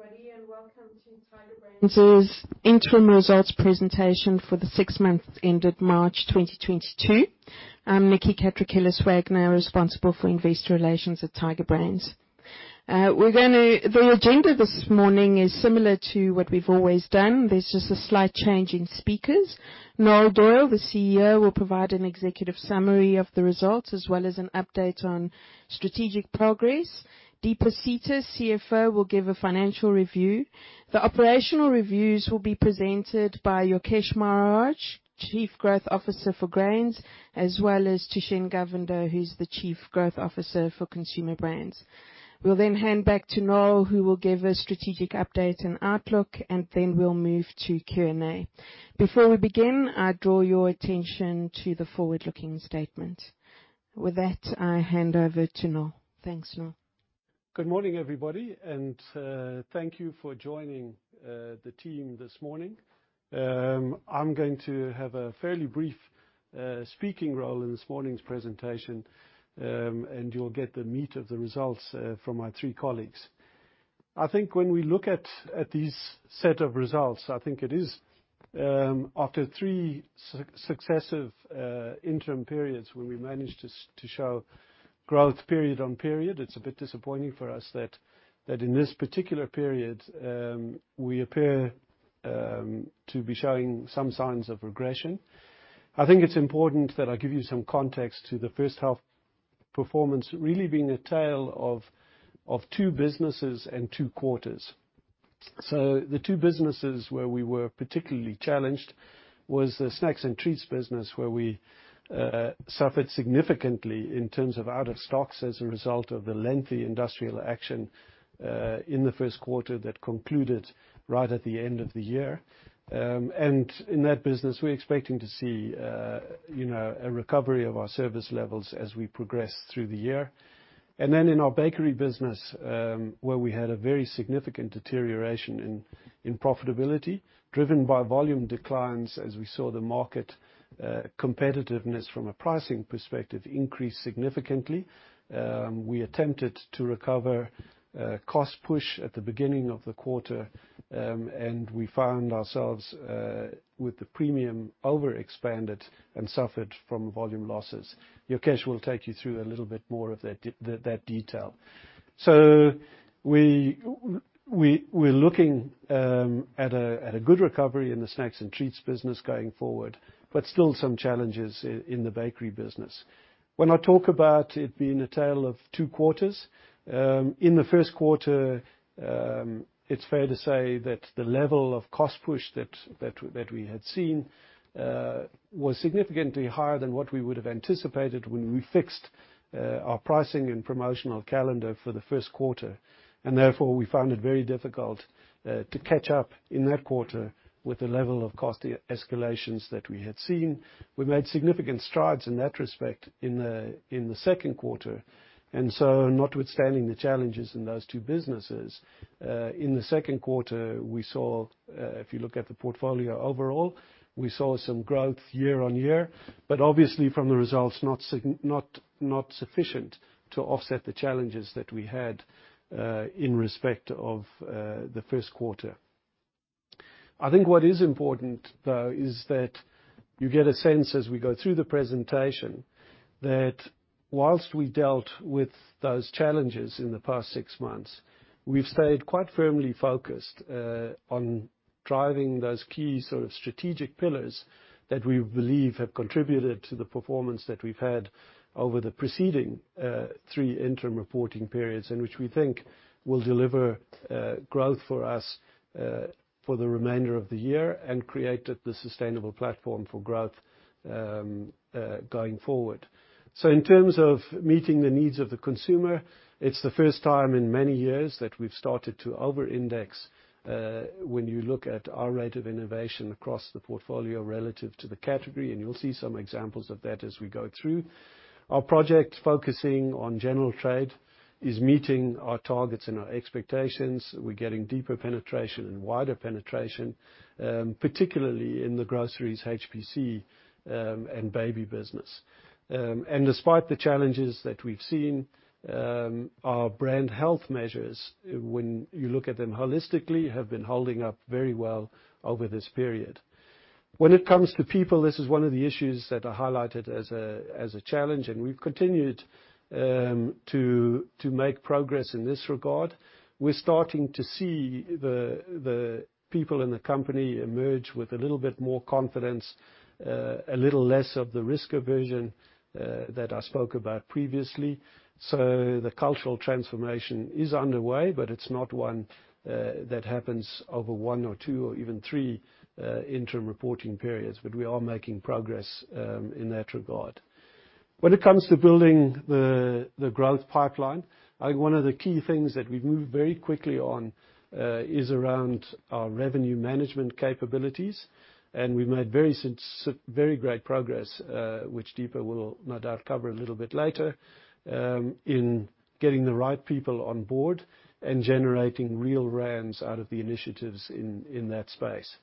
Good morning everybody and welcome to Tiger Brands' interim results presentation for the six months ended March 2022. I'm Nikki Catrakilis-Wagner, responsible for investor relations at Tiger Brands. The agenda this morning is similar to what we've always done. There's just a slight change in speakers. Noel Doyle, the CEO, will provide an executive summary of the results as well as an update on strategic progress. Deepa Sita, CFO, will give a financial review. The operational reviews will be presented by Yokesh Maharaj, Chief Growth Officer for Grains, as well as Thushen Govender, who's the Chief Growth Officer for Consumer Brands. We'll then hand back to Noel, who will give a strategic update and outlook, and then we'll move to Q&A. Before we begin, I draw your attention to the forward-looking statement. With that, I hand over to Noel. Thanks, Noel. Good morning, everybody, and thank you for joining the team this morning. I'm going to have a fairly brief speaking role in this morning's presentation, and you'll get the meat of the results from my three colleagues. I think when we look at these set of results, I think it is after three successive interim periods where we managed to show growth period on period. It's a bit disappointing for us that in this particular period, we appear to be showing some signs of regression. I think it's important that I give you some context to the first half performance really being a tale of two businesses and two quarters. The two businesses where we were particularly challenged was the snacks and treats business, where we suffered significantly in terms of out-of-stocks as a result of the lengthy industrial action in the first quarter that concluded right at the end of the year. In that business, we're expecting to see you know, a recovery of our service levels as we progress through the year. In our bakery business, where we had a very significant deterioration in profitability, driven by volume declines as we saw the market competitiveness from a pricing perspective increase significantly. We attempted to recover cost push at the beginning of the quarter, and we found ourselves with the premium overexpanded and suffered from volume losses. Yokesh will take you through a little bit more of that detail. We're looking at a good recovery in the snacks and treats business going forward, but still some challenges in the bakery business. When I talk about it being a tale of two quarters, in the first quarter, it's fair to say that the level of cost push that we had seen was significantly higher than what we would have anticipated when we fixed our pricing and promotional calendar for the first quarter. Therefore, we found it very difficult to catch up in that quarter with the level of cost escalations that we had seen. We've made significant strides in that respect in the second quarter. Notwithstanding the challenges in those two businesses, in the second quarter, we saw, if you look at the portfolio overall, we saw some growth year-on-year, but obviously from the results, not sufficient to offset the challenges that we had, in respect of, the first quarter. I think what is important, though, is that you get a sense as we go through the presentation that while we dealt with those challenges in the past six months, we've stayed quite firmly focused, on driving those key sort of strategic pillars that we believe have contributed to the performance that we've had over the preceding, three interim reporting periods, and which we think will deliver, growth for us, for the remainder of the year and created the sustainable platform for growth, going forward. In terms of meeting the needs of the consumer, it's the first time in many years that we've started to over-index, when you look at our rate of innovation across the portfolio relative to the category, and you'll see some examples of that as we go through. Our project focusing on general trade is meeting our targets and our expectations. We're getting deeper penetration and wider penetration, particularly in the groceries, HPC, and baby business. Despite the challenges that we've seen, our brand health measures, when you look at them holistically, have been holding up very well over this period. When it comes to people, this is one of the issues that are highlighted as a challenge, and we've continued to make progress in this regard. We're starting to see the people in the company emerge with a little bit more confidence, a little less of the risk aversion that I spoke about previously. The cultural transformation is underway, but it's not one that happens over one or two or even three interim reporting periods. We are making progress in that regard. When it comes to building the growth pipeline, one of the key things that we've moved very quickly on is around our revenue management capabilities, and we've made very great progress, which Deepa will no doubt cover a little bit later, in getting the right people on board and generating real rands out of the initiatives in that space.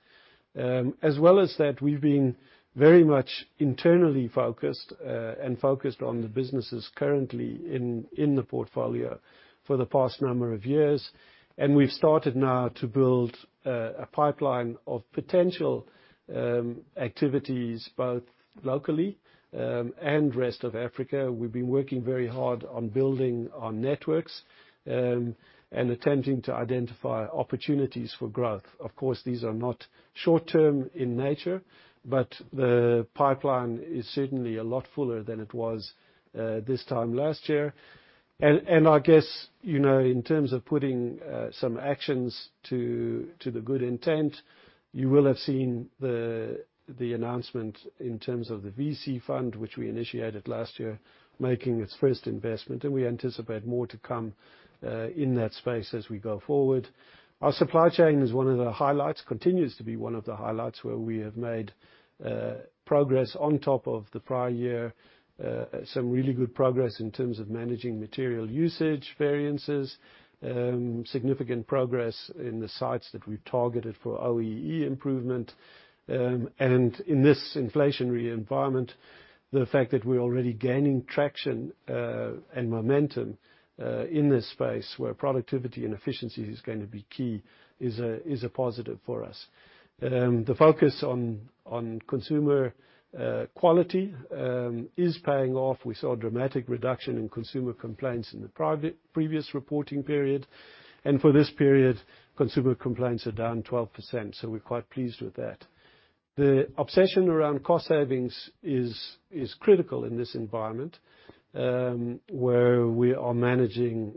As well as that, we've been very much internally focused and focused on the businesses currently in the portfolio for the past number of years, and we've started now to build a pipeline of potential activities both locally and rest of Africa. We've been working very hard on building our networks and attempting to identify opportunities for growth. Of course, these are not short term in nature, but the pipeline is certainly a lot fuller than it was this time last year. I guess, you know, in terms of putting some actions to the good intent, you will have seen the announcement in terms of the VC fund, which we initiated last year, making its first investment, and we anticipate more to come in that space as we go forward. Our supply chain is one of the highlights, continues to be one of the highlights where we have made progress on top of the prior year. Some really good progress in terms of managing material usage variances, significant progress in the sites that we've targeted for OEE improvement, and in this inflationary environment, the fact that we're already gaining traction and momentum in this space where productivity and efficiency is going to be key is a positive for us. The focus on consumer quality is paying off. We saw a dramatic reduction in consumer complaints in the previous reporting period, and for this period, consumer complaints are down 12%, so we're quite pleased with that. The obsession around cost savings is critical in this environment, where we are managing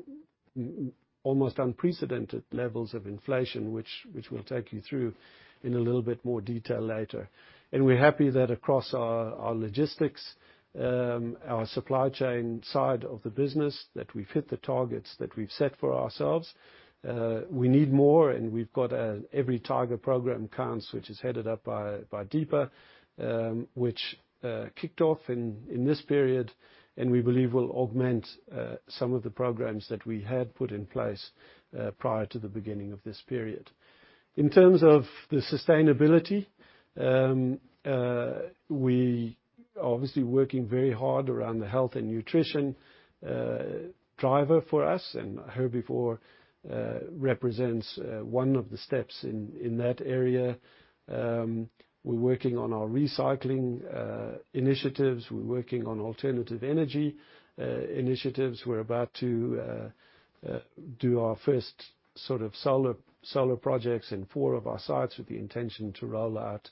almost unprecedented levels of inflation, which we'll take you through in a little bit more detail later. We're happy that across our logistics, our supply chain side of the business, that we've hit the targets that we've set for ourselves. We need more, and we've got an Every Tiger Counts, which is headed up by Deepa, which kicked off in this period and we believe will augment some of the programs that we had put in place prior to the beginning of this period. In terms of the sustainability, we're obviously working very hard around the health and nutrition driver for us, and Herbivore represents one of the steps in that area. We're working on our recycling initiatives. We're working on alternative energy initiatives. We're about to do our first sort of solar projects in four of our sites with the intention to roll out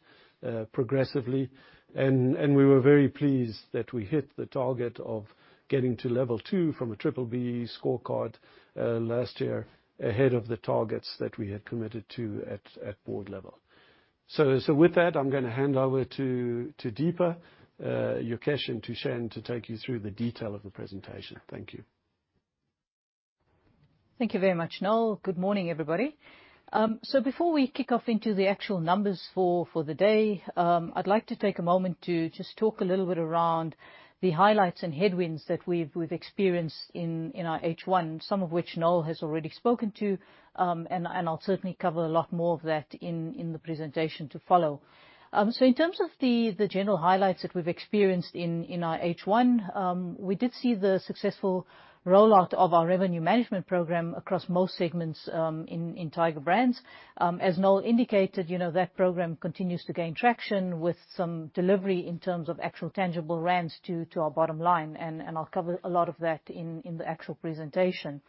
progressively. We were very pleased that we hit the target of getting to Level 2 from a B-BBEE scorecard last year ahead of the targets that we had committed to at board level. With that, I'm gonna hand over to Deepa, Yokesh, and to Thushen to take you through the detail of the presentation. Thank you. Thank you very much, Noel. Good morning, everybody. So before we kick off into the actual numbers for the day, I'd like to take a moment to just talk a little bit around the highlights and headwinds that we've experienced in our H1, some of which Noel has already spoken to, and I'll certainly cover a lot more of that in the presentation to follow. So in terms of the general highlights that we've experienced in our H1, we did see the successful rollout of our revenue management program across most segments in Tiger Brands. As Noel indicated, you know, that program continues to gain traction with some delivery in terms of actual tangible rands to our bottom line, and I'll cover a lot of that in the actual presentation.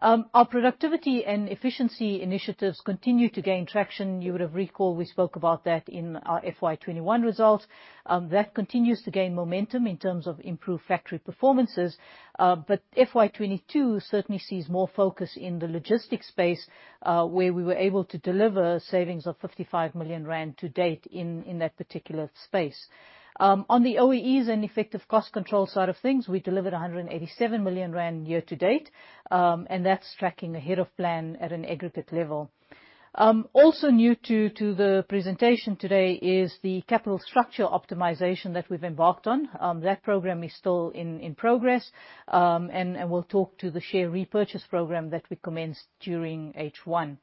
Our productivity and efficiency initiatives continue to gain traction. You would have recalled we spoke about that in our FY 2021 results. That continues to gain momentum in terms of improved factory performances, but FY 2022 certainly sees more focus in the logistics space, where we were able to deliver savings of 55 million rand to date in that particular space. On the OEEs and effective cost control side of things, we delivered 187 million rand year to date, and that's tracking ahead of plan at an aggregate level. Also new to the presentation today is the capital structure optimization that we've embarked on. That program is still in progress, and we'll talk to the share repurchase program that we commenced during H1.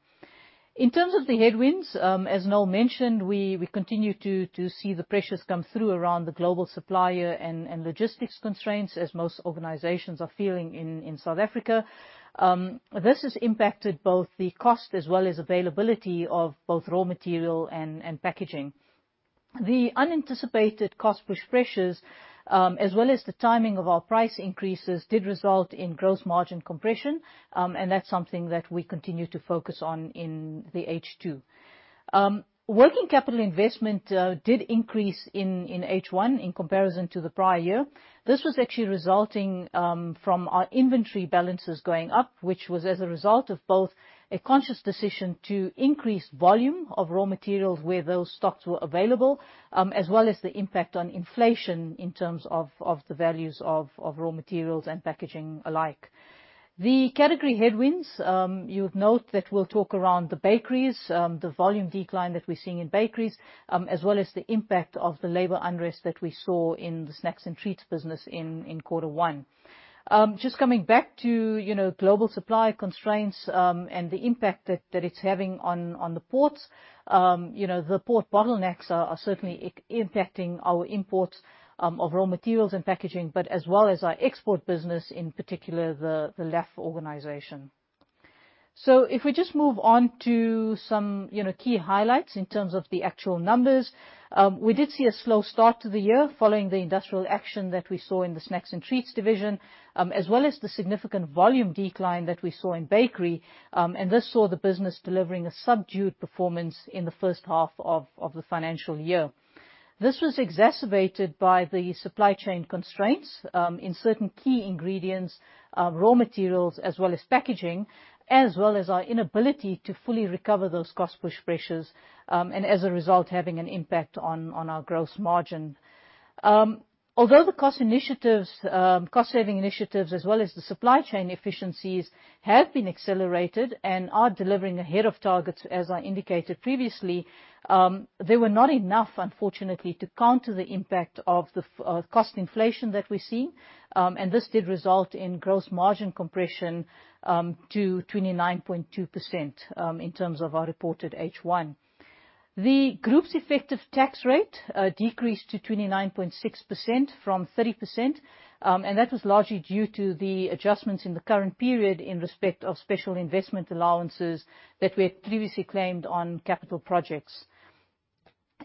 In terms of the headwinds, as Noel mentioned, we continue to see the pressures come through around the global supplier and logistics constraints as most organizations are feeling in South Africa. This has impacted both the cost as well as availability of both raw material and packaging. The unanticipated cost push pressures, as well as the timing of our price increases did result in gross margin compression, and that's something that we continue to focus on in the H2. Working capital investment did increase in H1 in comparison to the prior year. This was actually resulting from our inventory balances going up, which was as a result of both a conscious decision to increase volume of raw materials where those stocks were available, as well as the impact of inflation in terms of the values of raw materials and packaging alike. The category headwinds. You'd note that we'll talk around the bakeries, the volume decline that we're seeing in bakeries, as well as the impact of the labor unrest that we saw in the snacks and treats business in quarter one. Just coming back to, you know, global supply constraints, and the impact that it's having on the ports. You know, the port bottlenecks are certainly impacting our imports of raw materials and packaging, but as well as our export business, in particular, the LAF organization. If we just move on to some, you know, key highlights in terms of the actual numbers. We did see a slow start to the year following the industrial action that we saw in the snacks and treats division, as well as the significant volume decline that we saw in bakery. And this saw the business delivering a subdued performance in the first half of the financial year. This was exacerbated by the supply chain constraints in certain key ingredients, raw materials, as well as packaging, as well as our inability to fully recover those cost push pressures, and as a result, having an impact on our gross margin. Although the cost initiatives, cost saving initiatives, as well as the supply chain efficiencies have been accelerated and are delivering ahead of targets, as I indicated previously, they were not enough, unfortunately, to counter the impact of the cost inflation that we're seeing. This did result in gross margin compression to 29.2%, in terms of our reported H1. The group's effective tax rate decreased to 29.6% from 30%, and that was largely due to the adjustments in the current period in respect of special investment allowances that we had previously claimed on capital projects.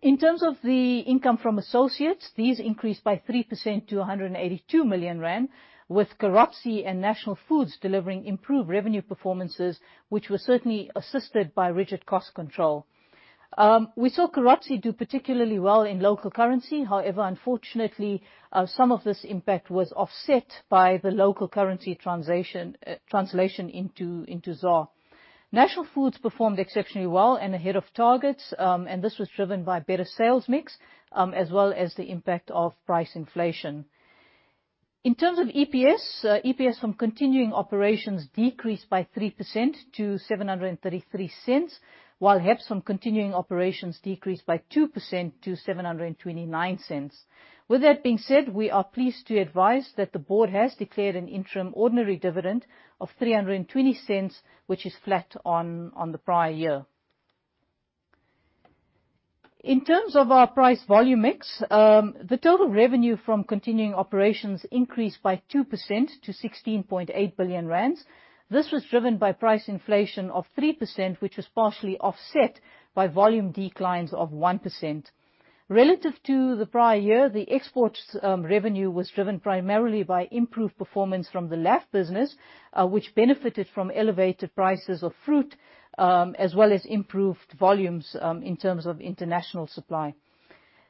In terms of the income from associates, these increased by 3% to 182 million rand, with Carozzi and National Foods delivering improved revenue performances, which were certainly assisted by rigid cost control. We saw Carozzi do particularly well in local currency. However, unfortunately, some of this impact was offset by the local currency translation into ZAR. National Foods performed exceptionally well and ahead of targets, and this was driven by better sales mix, as well as the impact of price inflation. In terms of EPS from continuing operations decreased by 3% to 7.33, while HEPS from continuing operations decreased by 2% to 7.29. With that being said, we are pleased to advise that the board has declared an interim ordinary dividend of 3.20, which is flat on the prior year. In terms of our price volume mix, the total revenue from continuing operations increased by 2% to 16.8 billion rand. This was driven by price inflation of 3%, which was partially offset by volume declines of 1%. Relative to the prior year, the exports revenue was driven primarily by improved performance from the LAF business, which benefited from elevated prices of fruit, as well as improved volumes in terms of international supply.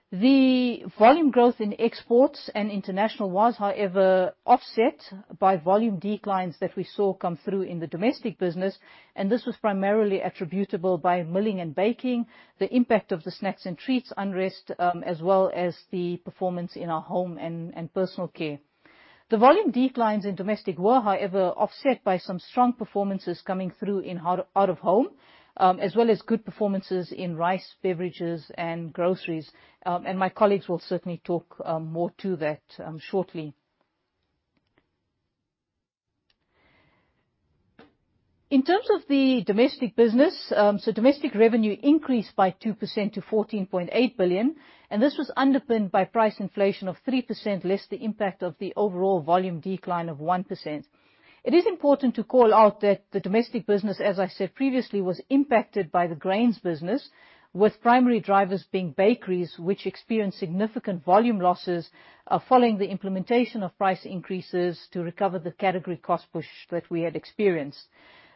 The volume growth in exports and international was, however, offset by volume declines that we saw come through in the domestic business, and this was primarily attributable by milling and baking, the impact of the snacks and treats unrest, as well as the performance in our home and personal care. The volume declines in domestic were, however, offset by some strong performances coming through in out of home, as well as good performances in rice, beverages, and groceries. My colleagues will certainly talk more to that shortly. In terms of the domestic business, so domestic revenue increased by 2% to 14.8 billion, and this was underpinned by price inflation of 3%, less the impact of the overall volume decline of 1%. It is important to call out that the domestic business, as I said previously, was impacted by the grains business, with primary drivers being bakeries, which experienced significant volume losses following the implementation of price increases to recover the category cost push that we had experienced.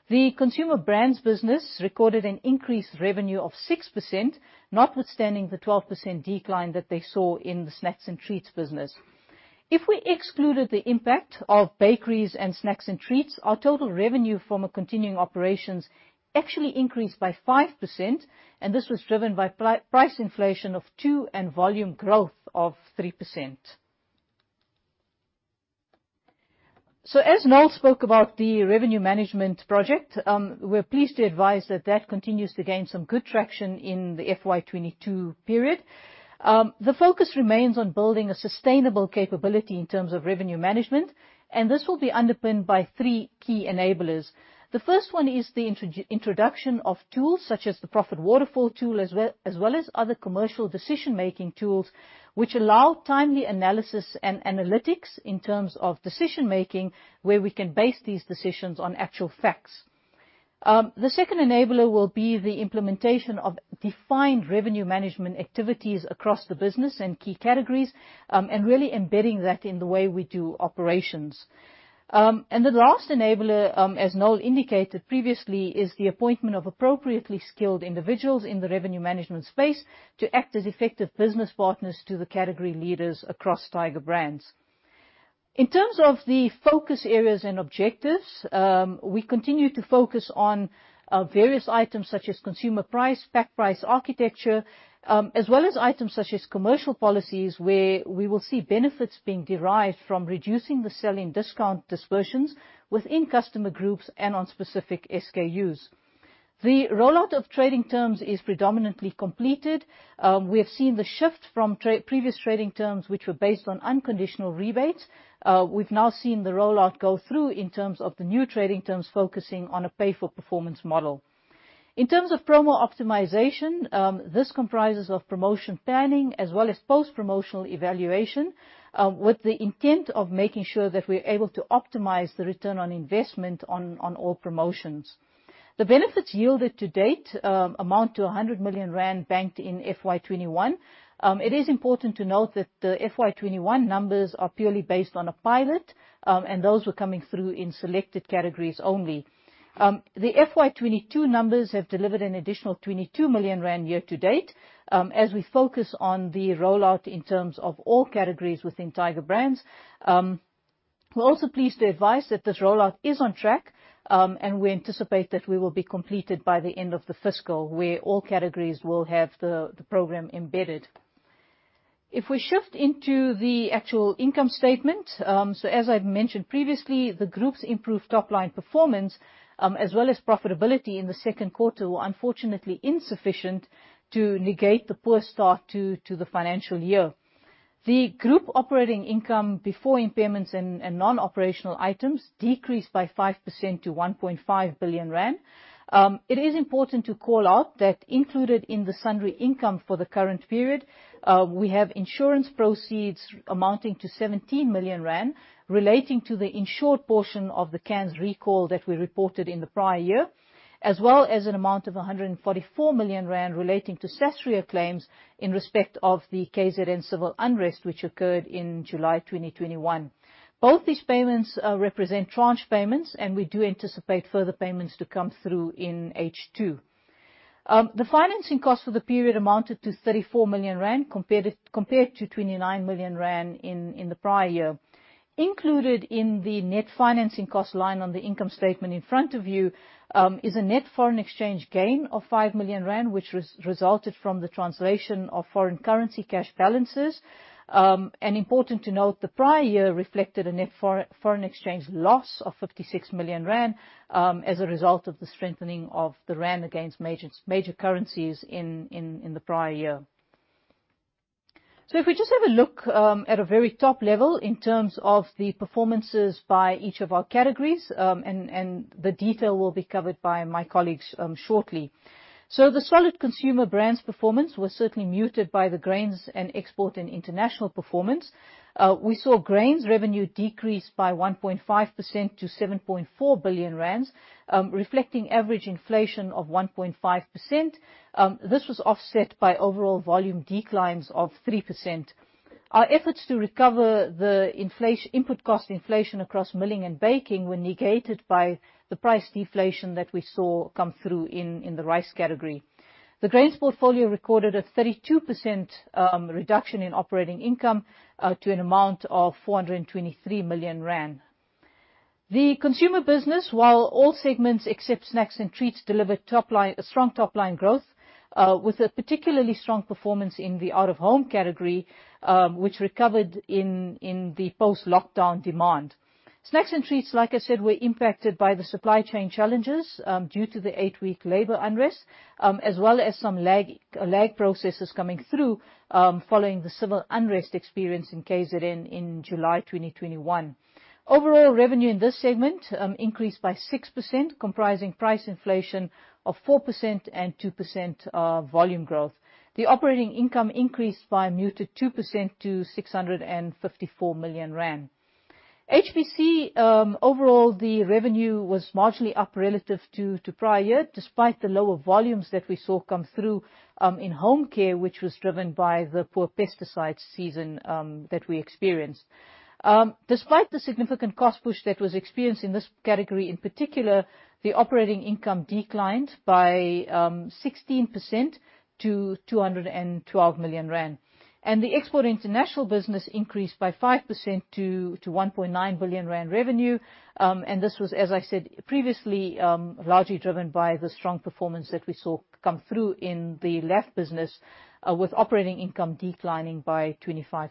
The consumer brands business recorded an increased revenue of 6%, notwithstanding the 12% decline that they saw in the snacks and treats business. If we excluded the impact of bakeries and snacks and treats, our total revenue from continuing operations actually increased by 5%, and this was driven by price inflation of 2% and volume growth of 3%. As Noel spoke about the revenue management project, we're pleased to advise that that continues to gain some good traction in the FY 2022 period. The focus remains on building a sustainable capability in terms of revenue management, and this will be underpinned by three key enablers. The first one is the introduction of tools such as the Profit Waterfall Tool, as well as other commercial decision-making tools, which allow timely analysis and analytics in terms of decision making, where we can base these decisions on actual facts. The second enabler will be the implementation of defined revenue management activities across the business and key categories, and really embedding that in the way we do operations. The last enabler, as Noel indicated previously, is the appointment of appropriately skilled individuals in the revenue management space to act as effective business partners to the category leaders across Tiger Brands. In terms of the focus areas and objectives, we continue to focus on various items such as consumer price, pack price, architecture, as well as items such as commercial policies, where we will see benefits being derived from reducing the selling discount dispersions within customer groups and on specific SKUs. The rollout of trading terms is predominantly completed. We have seen the shift from previous trading terms, which were based on unconditional rebates. We've now seen the rollout go through in terms of the new trading terms focusing on a pay-for-performance model. In terms of promo optimization, this comprises of promotion planning as well as post-promotional evaluation, with the intent of making sure that we're able to optimize the return on investment on all promotions. The benefits yielded to date amount to 100 million rand banked in FY 2021. It is important to note that the FY 2021 numbers are purely based on a pilot, and those were coming through in selected categories only. The FY 2022 numbers have delivered an additional 22 million rand year to date. As we focus on the rollout in terms of all categories within Tiger Brands. We're also pleased to advise that this rollout is on track, and we anticipate that we will be completed by the end of the fiscal, where all categories will have the program embedded. If we shift into the actual income statement, so as I've mentioned previously, the group's improved top-line performance, as well as profitability in the second quarter were unfortunately insufficient to negate the poor start to the financial year. The group operating income before impairments and non-operational items decreased by 5% to 1.5 billion rand. It is important to call out that included in the sundry income for the current period, we have insurance proceeds amounting to 17 million rand relating to the insured portion of the cans recall that we reported in the prior year, as well as an amount of 144 million rand relating to Sasria claims in respect of the KZN civil unrest which occurred in July 2021. Both these payments represent tranche payments, and we do anticipate further payments to come through in H2. The financing cost for the period amounted to 34 million rand compared to 29 million rand in the prior year. Included in the net financing cost line on the income statement in front of you is a net foreign exchange gain of 5 million rand, which was resulted from the translation of foreign currency cash balances. Important to note, the prior year reflected a net foreign exchange loss of 56 million rand as a result of the strengthening of the rand against major currencies in the prior year. If we just have a look at a very top level in terms of the performances by each of our categories, the detail will be covered by my colleagues shortly. The solid consumer brands performance was certainly muted by the grains and export and international performance. We saw grains revenue decrease by 1.5% to 7.4 billion rand, reflecting average inflation of 1.5%. This was offset by overall volume declines of 3%. Our efforts to recover the input cost inflation across milling and baking were negated by the price deflation that we saw come through in the rice category. The grains portfolio recorded a 32% reduction in operating income to an amount of 423 million rand. The consumer business, while all segments except snacks and treats delivered top line, strong top-line growth, with a particularly strong performance in the out-of-home category, which recovered in the post-lockdown demand. Snacks and treats, like I said, were impacted by the supply chain challenges due to the eight-week labor unrest, as well as some lag processes coming through, following the civil unrest experience in KZN in July 2021. Overall revenue in this segment increased by 6%, comprising price inflation of 4% and 2% volume growth. The operating income increased by a muted 2% to 654 million rand. HPC overall, the revenue was marginally up relative to prior year, despite the lower volumes that we saw come through in home care, which was driven by the poor pesticide season that we experienced. Despite the significant cost push that was experienced in this category, in particular, the operating income declined by 16% to 212 million rand. The export and international business increased by 5% to 1.9 billion rand revenue. This was, as I said previously, largely driven by the strong performance that we saw come through in the LAF business, with operating income declining by 25%.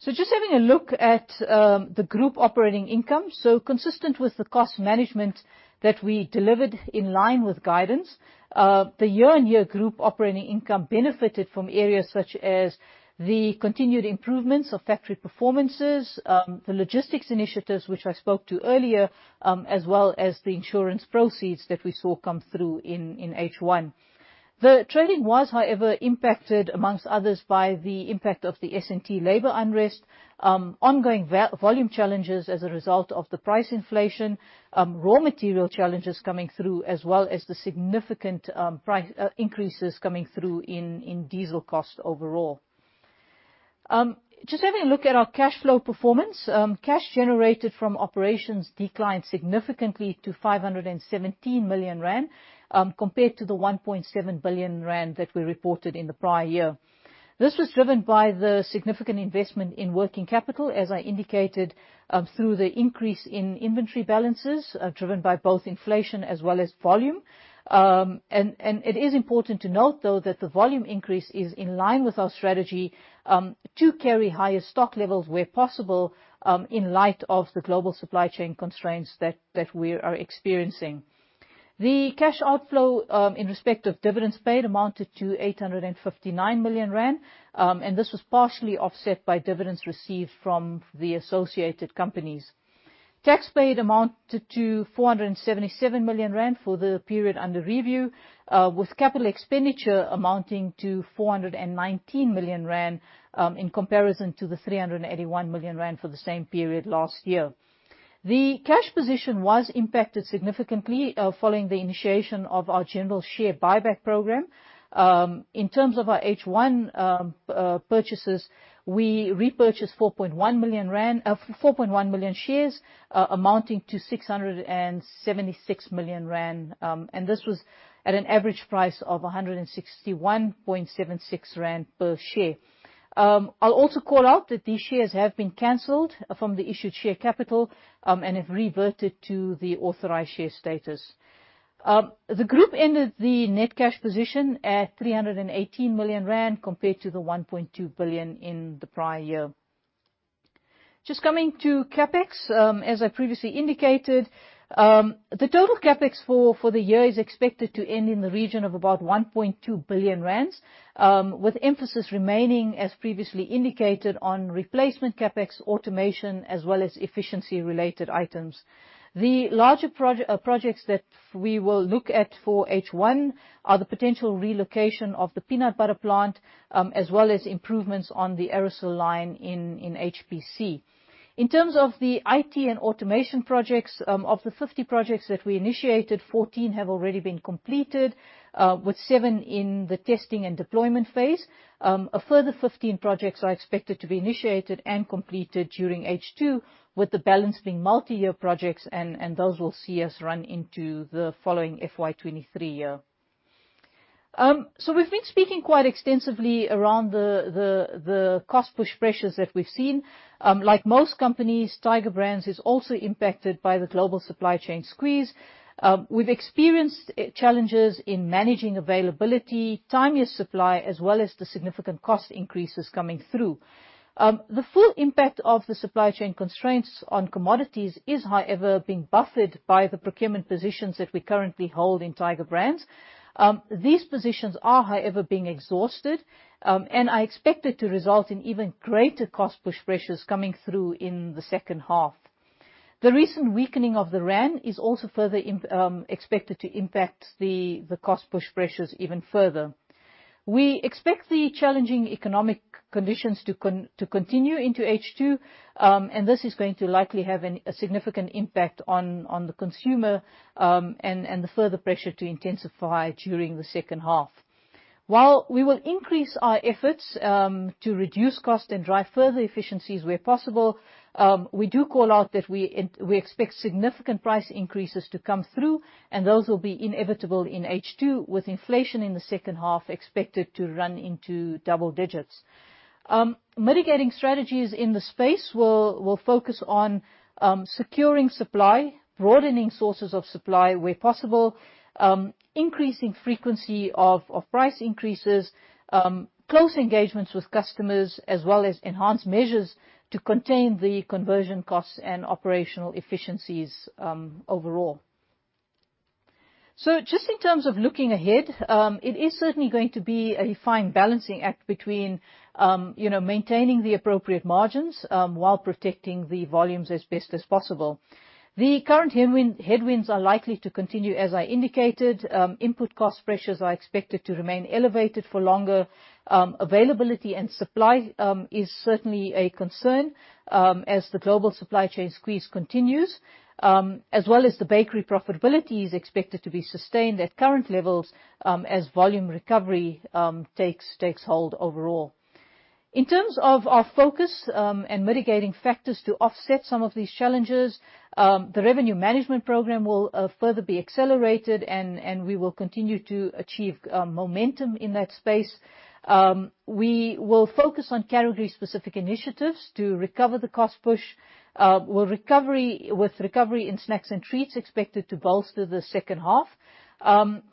Just having a look at the group operating income. Consistent with the cost management that we delivered in line with guidance, the year-on-year group operating income benefited from areas such as the continued improvements of factory performances, the logistics initiatives which I spoke to earlier, as well as the insurance proceeds that we saw come through in H1. The trading was, however, impacted among others by the impact of the S&T labor unrest, ongoing volume challenges as a result of the price inflation, raw material challenges coming through, as well as the significant increases coming through in diesel costs overall. Just having a look at our cash flow performance. Cash generated from operations declined significantly to 517 million rand, compared to the 1.7 billion rand that we reported in the prior year. This was driven by the significant investment in working capital, as I indicated, through the increase in inventory balances, driven by both inflation as well as volume. It is important to note, though, that the volume increase is in line with our strategy, to carry higher stock levels where possible, in light of the global supply chain constraints that we are experiencing. The cash outflow, in respect of dividends paid amounted to 859 million rand, and this was partially offset by dividends received from the associated companies. Tax paid amounted to 477 million rand for the period under review, with capital expenditure amounting to 419 million rand, in comparison to 381 million rand for the same period last year. The cash position was impacted significantly following the initiation of our general share buyback program. In terms of our H1 purchases, we repurchased 4.1 million shares amounting to 676 million rand, and this was at an average price of 161.76 rand per share. I'll also call out that these shares have been canceled from the issued share capital, and have reverted to the authorized share status. The group ended the net cash position at 318 million rand compared to 1.2 billion in the prior year. Just coming to CapEx, as I previously indicated, the total CapEx for the year is expected to end in the region of about 1.2 billion rand, with emphasis remaining, as previously indicated, on replacement CapEx, automation, as well as efficiency related items. The larger projects that we will look at for H1 are the potential relocation of the peanut butter plant, as well as improvements on the aerosol line in HPC. In terms of the IT and automation projects, of the 50 projects that we initiated, 14 have already been completed, with seven in the testing and deployment phase. A further 15 projects are expected to be initiated and completed during H2, with the balance being multi-year projects and those will see us run into the following FY 2023. We've been speaking quite extensively around the cost push pressures that we've seen. Like most companies, Tiger Brands is also impacted by the global supply chain squeeze. We've experienced challenges in managing availability, timelier supply, as well as the significant cost increases coming through. The full impact of the supply chain constraints on commodities is, however, being buffeted by the procurement positions that we currently hold in Tiger Brands. These positions are, however, being exhausted and are expected to result in even greater cost push pressures coming through in the second half. The recent weakening of the rand is also further expected to impact the cost push pressures even further. We expect the challenging economic conditions to continue into H2, and this is going to likely have a significant impact on the consumer, and the further pressure to intensify during the second half. While we will increase our efforts to reduce cost and drive further efficiencies where possible, we do call out that we expect significant price increases to come through, and those will be inevitable in H2, with inflation in the second half expected to run into double digits. Mitigating strategies in the space will focus on securing supply, broadening sources of supply where possible, increasing frequency of price increases, close engagements with customers, as well as enhanced measures to contain the conversion costs and operational efficiencies, overall. Just in terms of looking ahead, it is certainly going to be a fine balancing act between, you know, maintaining the appropriate margins, while protecting the volumes as best as possible. The current headwind, headwinds are likely to continue, as I indicated. Input cost pressures are expected to remain elevated for longer. Availability and supply is certainly a concern, as the global supply chain squeeze continues, as well as the bakery profitability is expected to be sustained at current levels, as volume recovery takes hold overall. In terms of our focus, and mitigating factors to offset some of these challenges, the revenue management program will further be accelerated and we will continue to achieve momentum in that space. We will focus on category specific initiatives to recover the cost push, with recovery in snacks and treats expected to bolster the second half.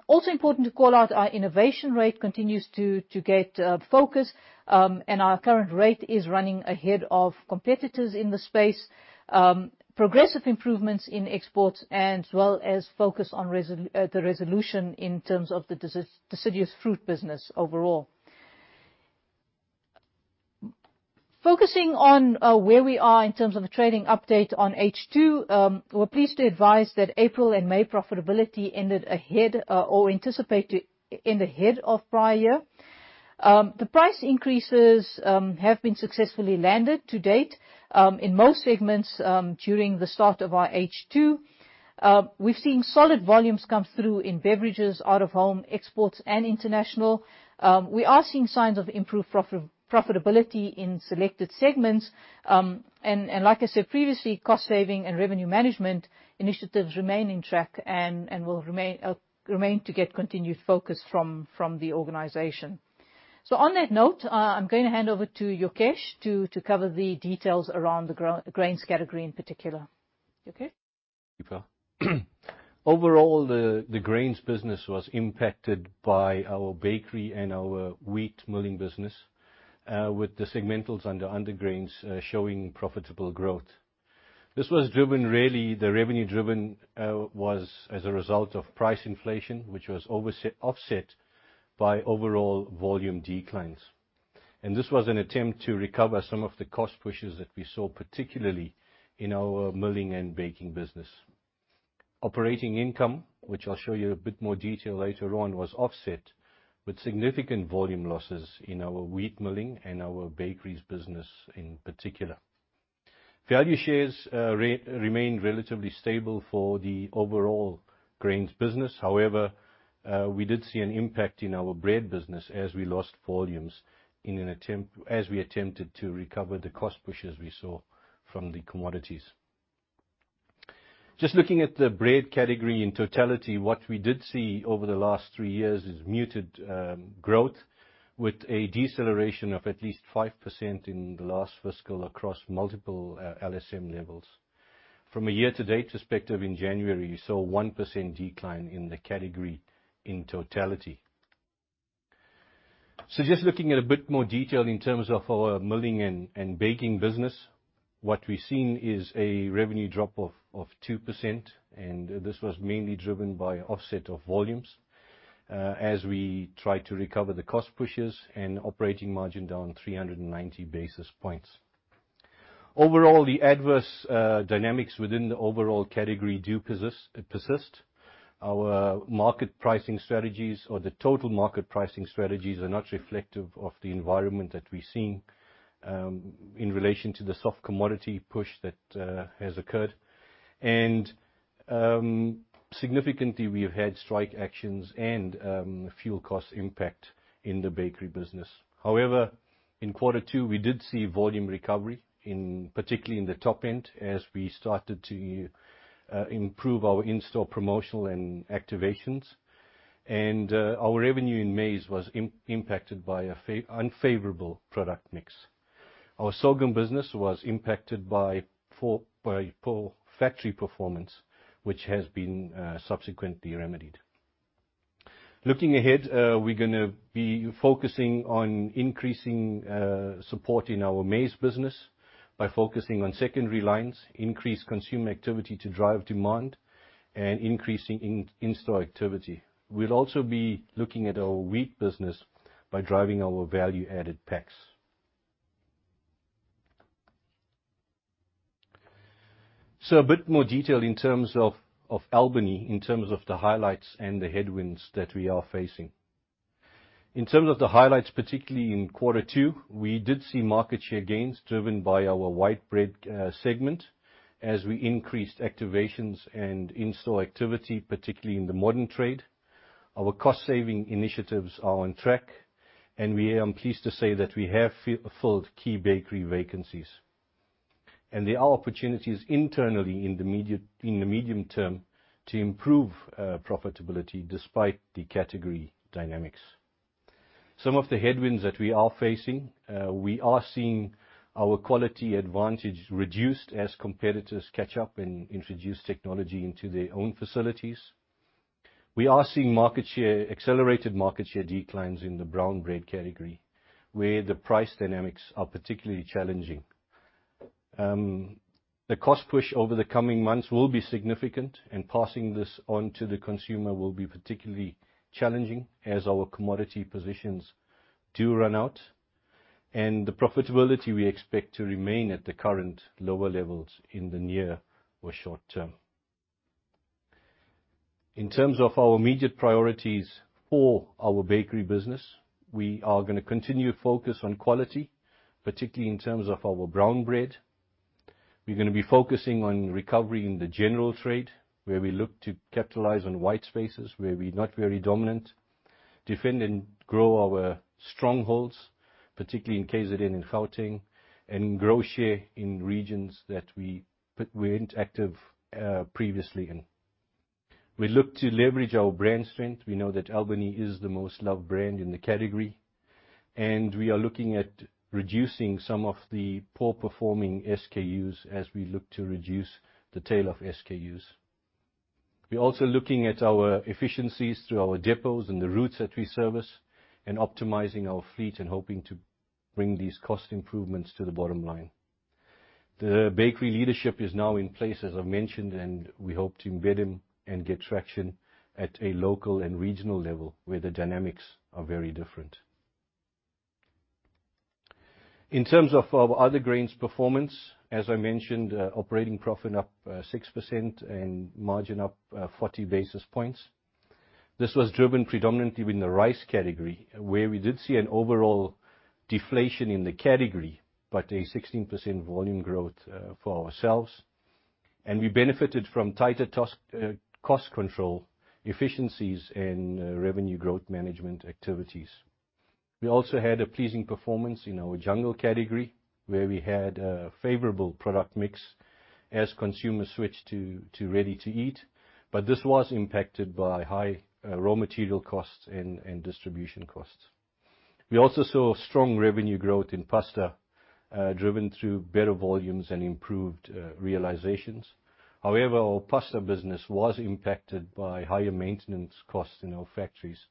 Also important to call out, our innovation rate continues to get focus, and our current rate is running ahead of competitors in the space. Progressive improvements in exports as well as focus on the resolution in terms of the deciduous fruit business overall. Focusing on where we are in terms of the trading update on H2, we're pleased to advise that April and May profitability ended ahead of anticipated, ahead of prior year. The price increases have been successfully landed to date, in most segments, during the start of our H2. We've seen solid volumes come through in beverages, out of home exports and international. We are seeing signs of improved profit, profitability in selected segments. Like I said previously, cost saving and revenue management initiatives remain on track and will remain to get continued focus from the organization. On that note, I'm gonna hand over to Yokesh to cover the details around the grains category in particular. Yokesh? Thank you, Deepa. Overall, the grains business was impacted by our bakery and our wheat milling business, with the segmentals under grains showing profitable growth. This was driven really, the revenue driven, was as a result of price inflation, which was offset by overall volume declines. This was an attempt to recover some of the cost pushes that we saw, particularly in our milling and baking business. Operating income, which I'll show you a bit more detail later on, was offset with significant volume losses in our wheat milling and our bakeries business in particular. Value shares remain relatively stable for the overall grains business. However, we did see an impact in our bread business as we lost volumes as we attempted to recover the cost pushes we saw from the commodities. Just looking at the bread category in totality, what we did see over the last three years is muted growth with a deceleration of at least 5% in the last fiscal across multiple LSM levels. From a year-to-date perspective in January, we saw 1% decline in the category in totality. Just looking at a bit more detail in terms of our milling and baking business, what we've seen is a revenue drop of 2%, and this was mainly driven by offset of volumes as we try to recover the cost pushes and operating margin down 390 basis points. Overall, the adverse dynamics within the overall category do persist. Our market pricing strategies or the total market pricing strategies are not reflective of the environment that we're seeing in relation to the soft commodity push that has occurred. Significantly, we have had strike actions and fuel cost impact in the bakery business. However, in quarter two, we did see volume recovery in, particularly in the top end as we started to improve our in-store promotional and activations. Our revenue in maize was impacted by an unfavorable product mix. Our sorghum business was impacted by poor factory performance, which has been subsequently remedied. Looking ahead, we're gonna be focusing on increasing support in our maize business by focusing on secondary lines, increase consumer activity to drive demand, and increasing in-store activity. We'll also be looking at our wheat business by driving our value-added packs. A bit more detail in terms of of Albany, in terms of the highlights and the headwinds that we are facing. In terms of the highlights, particularly in quarter two, we did see market share gains driven by our white bread segment as we increased activations and in-store activity, particularly in the modern trade. Our cost saving initiatives are on track, and we pleased to say that we have filled key bakery vacancies. There are opportunities internally in the immediate, in the medium term to improve profitability despite the category dynamics. Some of the headwinds that we are facing, we are seeing our quality advantage reduced as competitors catch up and introduce technology into their own facilities. We are seeing accelerated market share declines in the brown bread category, where the price dynamics are particularly challenging. The cost push over the coming months will be significant, and passing this on to the consumer will be particularly challenging as our commodity positions do run out. The profitability we expect to remain at the current lower levels in the near or short term. In terms of our immediate priorities for our bakery business, we are gonna continue to focus on quality, particularly in terms of our brown bread. We're gonna be focusing on recovering the general trade, where we look to capitalize on white spaces where we're not very dominant, defend and grow our strongholds, particularly in KZN and Gauteng, and grow share in regions that we weren't active, previously in. We look to leverage our brand strength. We know that Albany is the most loved brand in the category, and we are looking at reducing some of the poor performing SKUs as we look to reduce the tail of SKUs. We're also looking at our efficiencies through our depots and the routes that we service and optimizing our fleet and hoping to bring these cost improvements to the bottom line. The bakery leadership is now in place, as I mentioned, and we hope to embed them and get traction at a local and regional level where the dynamics are very different. In terms of our other grains performance, as I mentioned, operating profit up 6% and margin up 40 basis points. This was driven predominantly in the rice category, where we did see an overall deflation in the category, but a 16% volume growth for ourselves. We benefited from tighter touch cost control efficiencies in revenue growth management activities. We also had a pleasing performance in our Jungle category, where we had a favorable product mix as consumers switched to ready-to-eat, but this was impacted by high raw material costs and distribution costs. We also saw strong revenue growth in pasta driven through better volumes and improved realizations. However, our pasta business was impacted by higher maintenance costs in our factories,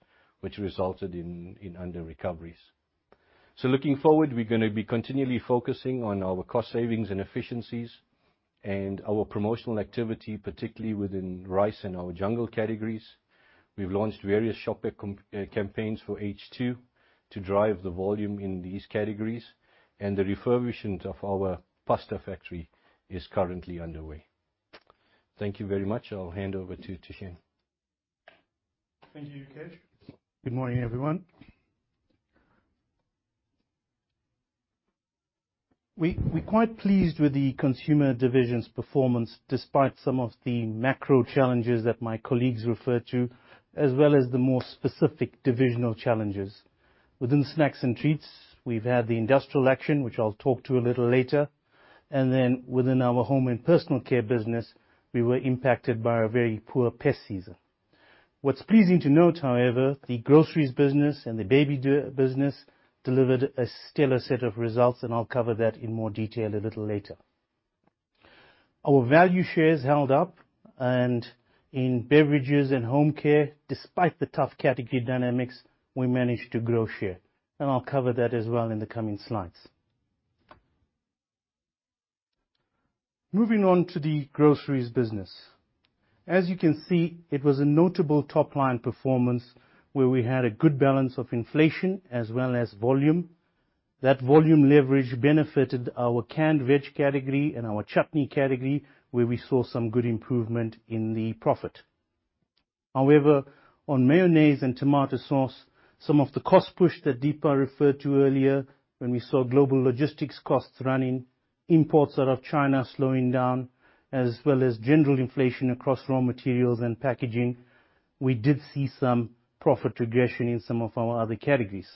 which resulted in underrecoveries. Looking forward, we're gonna be continually focusing on our cost savings and efficiencies and our promotional activity, particularly within rice and our Jungle categories. We've launched various shopper campaigns for H2 to drive the volume in these categories, and the refurbishment of our pasta factory is currently underway. Thank you very much. I'll hand over to Thushen. Thank you, Yokesh. Good morning, everyone. We're quite pleased with the consumer division's performance, despite some of the macro challenges that my colleagues referred to, as well as the more specific divisional challenges. Within snacks and treats, we've had the industrial action, which I'll talk to a little later, and then within our home and personal care business, we were impacted by a very poor pest season. What's pleasing to note, however, the groceries business and the baby goods business delivered a stellar set of results, and I'll cover that in more detail a little later. Our value shares held up, and in beverages and home care, despite the tough category dynamics, we managed to grow share, and I'll cover that as well in the coming slides. Moving on to the groceries business. As you can see, it was a notable top-line performance, where we had a good balance of inflation as well as volume. That volume leverage benefited our canned veg category and our chutney category, where we saw some good improvement in the profit. However, on mayonnaise and tomato sauce, some of the cost push that Deepa referred to earlier, when we saw global logistics costs running, imports out of China slowing down, as well as general inflation across raw materials and packaging, we did see some profit regression in some of our other categories.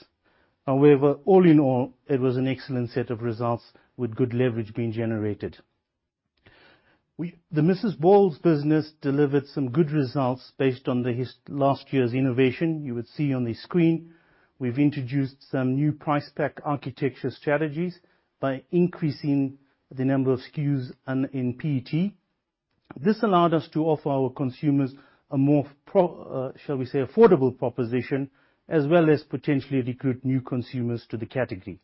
However, all in all, it was an excellent set of results with good leverage being generated. The Mrs. Ball's business delivered some good results based on last year's innovation. You would see on the screen, we've introduced some new price pack architecture strategies by increasing the number of SKUs in PET. This allowed us to offer our consumers a more shall we say affordable proposition, as well as potentially recruit new consumers to the category.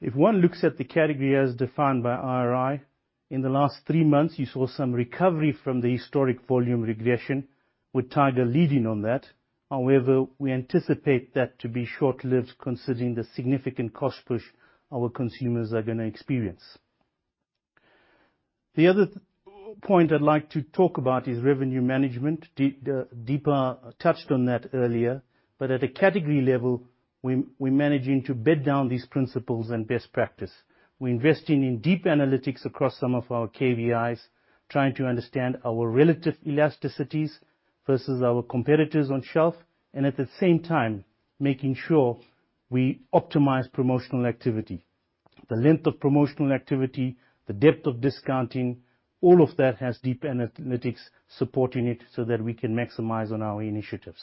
If one looks at the category as defined by IRI, in the last three months, you saw some recovery from the historic volume regression, with Tiger leading on that. However, we anticipate that to be short-lived, considering the significant cost push our consumers are gonna experience. The other point I'd like to talk about is revenue management. Deepa touched on that earlier, but at a category level, we're managing to bed down these principles and best practice. We're investing in deep analytics across some of our KVIs, trying to understand our relative elasticities versus our competitors on shelf, and at the same time, making sure we optimize promotional activity. The length of promotional activity, the depth of discounting, all of that has deep analytics supporting it so that we can maximize on our initiatives.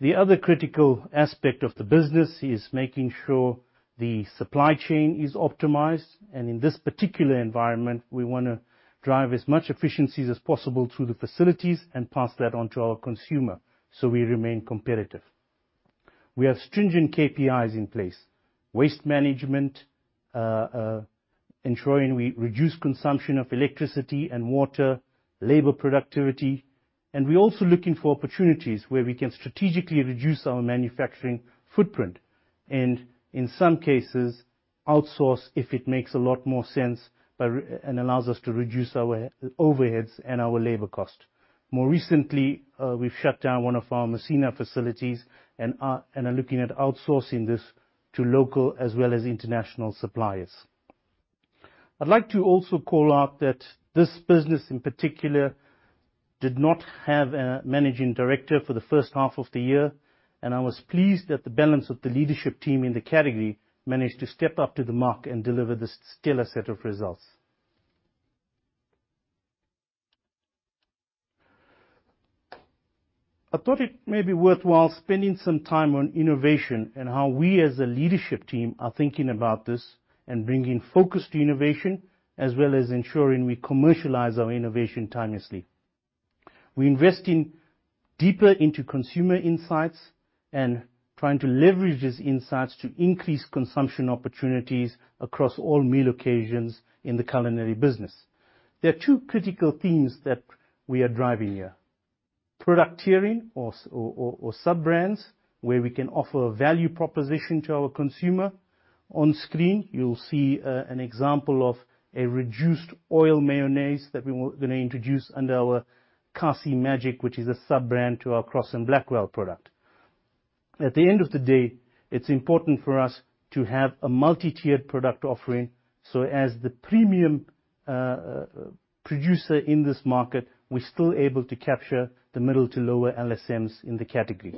The other critical aspect of the business is making sure the supply chain is optimized, and in this particular environment, we wanna drive as much efficiencies as possible through the facilities and pass that on to our consumer, so we remain competitive. We have stringent KPIs in place, waste management, ensuring we reduce consumption of electricity and water, labor productivity, and we're also looking for opportunities where we can strategically reduce our manufacturing footprint, and in some cases, outsource if it makes a lot more sense and allows us to reduce our overheads and our labor cost. More recently, we've shut down one of our Messina facilities and are looking at outsourcing this to local as well as international suppliers. I'd like to also call out that this business, in particular, did not have a managing director for the first half of the year, and I was pleased that the balance of the leadership team in the category managed to step up to the mark and deliver this stellar set of results. I thought it may be worthwhile spending some time on innovation and how we as a leadership team are thinking about this and bringing focus to innovation, as well as ensuring we commercialize our innovation timely. We're investing deeper into consumer insights and trying to leverage these insights to increase consumption opportunities across all meal occasions in the culinary business. There are two critical themes that we are driving here. Product tiering or sub-brands, where we can offer value proposition to our consumer. On screen, you'll see an example of a reduced oil mayonnaise that we gonna introduce under our Kasi Magic, which is a sub-brand to our Crosse & Blackwell product. At the end of the day, it's important for us to have a multi-tiered product offering, so as the premium producer in this market, we're still able to capture the middle to lower LSMs in the category.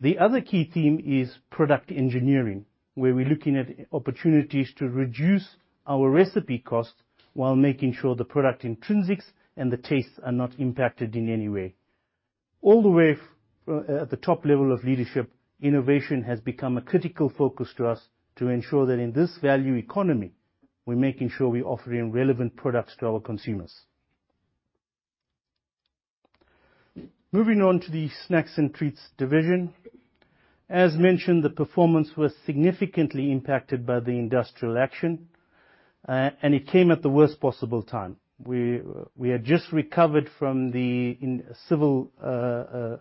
The other key theme is product engineering, where we're looking at opportunities to reduce our recipe costs while making sure the product intrinsics and the tastes are not impacted in any way. At the top level of leadership, innovation has become a critical focus to us to ensure that in this value economy, we're making sure we're offering relevant products to our consumers. Moving on to the snacks and treats division. As mentioned, the performance was significantly impacted by the industrial action, and it came at the worst possible time. We had just recovered from the civil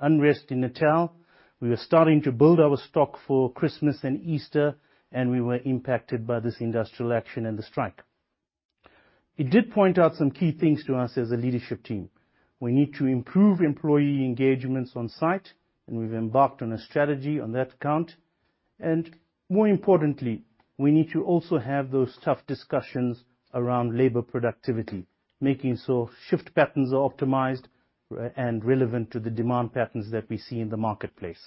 unrest in Natal. We were starting to build our stock for Christmas and Easter, and we were impacted by this industrial action and the strike. It did point out some key things to us as a leadership team. We need to improve employee engagements on site, and we've embarked on a strategy on that count, and more importantly, we need to also have those tough discussions around labor productivity, making sure shift patterns are optimized and relevant to the demand patterns that we see in the marketplace.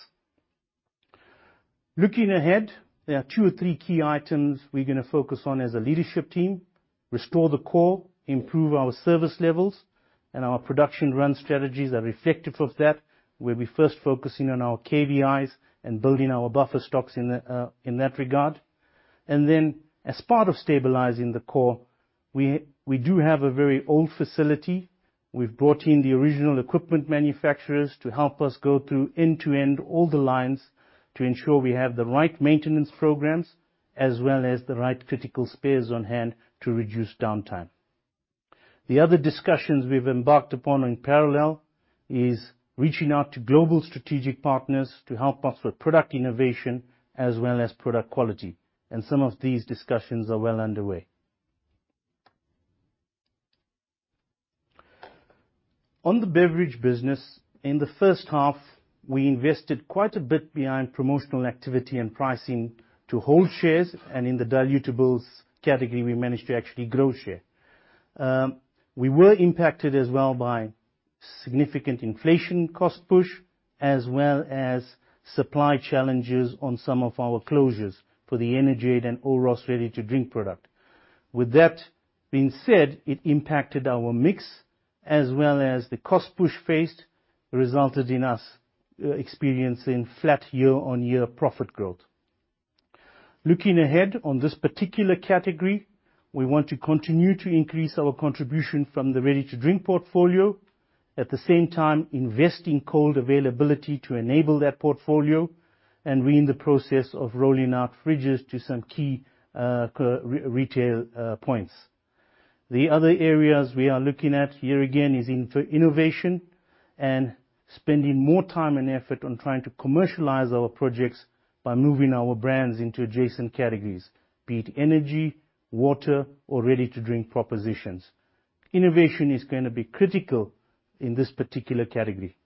Looking ahead, there are two or three key items we're gonna focus on as a leadership team. Restore the core, improve our service levels, and our production run strategies are reflective of that. We'll be first focusing on our KPIs and building our buffer stocks in that regard. As part of stabilizing the core, we do have a very old facility. We've brought in the original equipment manufacturers to help us go through end-to-end all the lines to ensure we have the right maintenance programs as well as the right critical spares on hand to reduce downtime. The other discussions we've embarked upon in parallel is reaching out to global strategic partners to help us with product innovation as well as product quality, and some of these discussions are well underway. On the beverage business, in the first half, we invested quite a bit behind promotional activity and pricing to hold shares, and in the dilutable category, we managed to actually grow share. We were impacted as well by significant inflation cost push as well as supply challenges on some of our closures for the Energade and Oros ready-to-drink product. With that being said, it impacted our mix as well as the cost push we faced resulted in us experiencing flat year-on-year profit growth. Looking ahead on this particular category, we want to continue to increase our contribution from the ready-to-drink portfolio. At the same time, investing in cold availability to enable that portfolio, and we're in the process of rolling out fridges to some key core retail points. The other areas we are looking at here again is innovation and spending more time and effort on trying to commercialize our projects by moving our brands into adjacent categories, be it energy, water or ready-to-drink propositions. Innovation is gonna be critical in this particular category.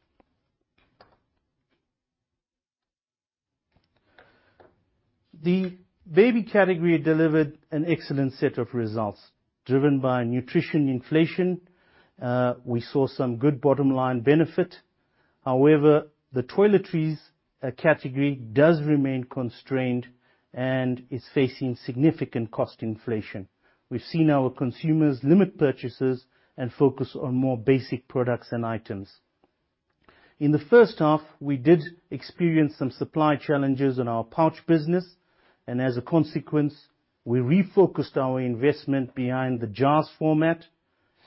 The baby category delivered an excellent set of results. Driven by nutrition inflation, we saw some good bottom-line benefit. However, the toiletries category does remain constrained and is facing significant cost inflation. We've seen our consumers limit purchases and focus on more basic products and items. In the first half, we did experience some supply challenges in our pouch business, and as a consequence, we refocused our investment behind the jars format,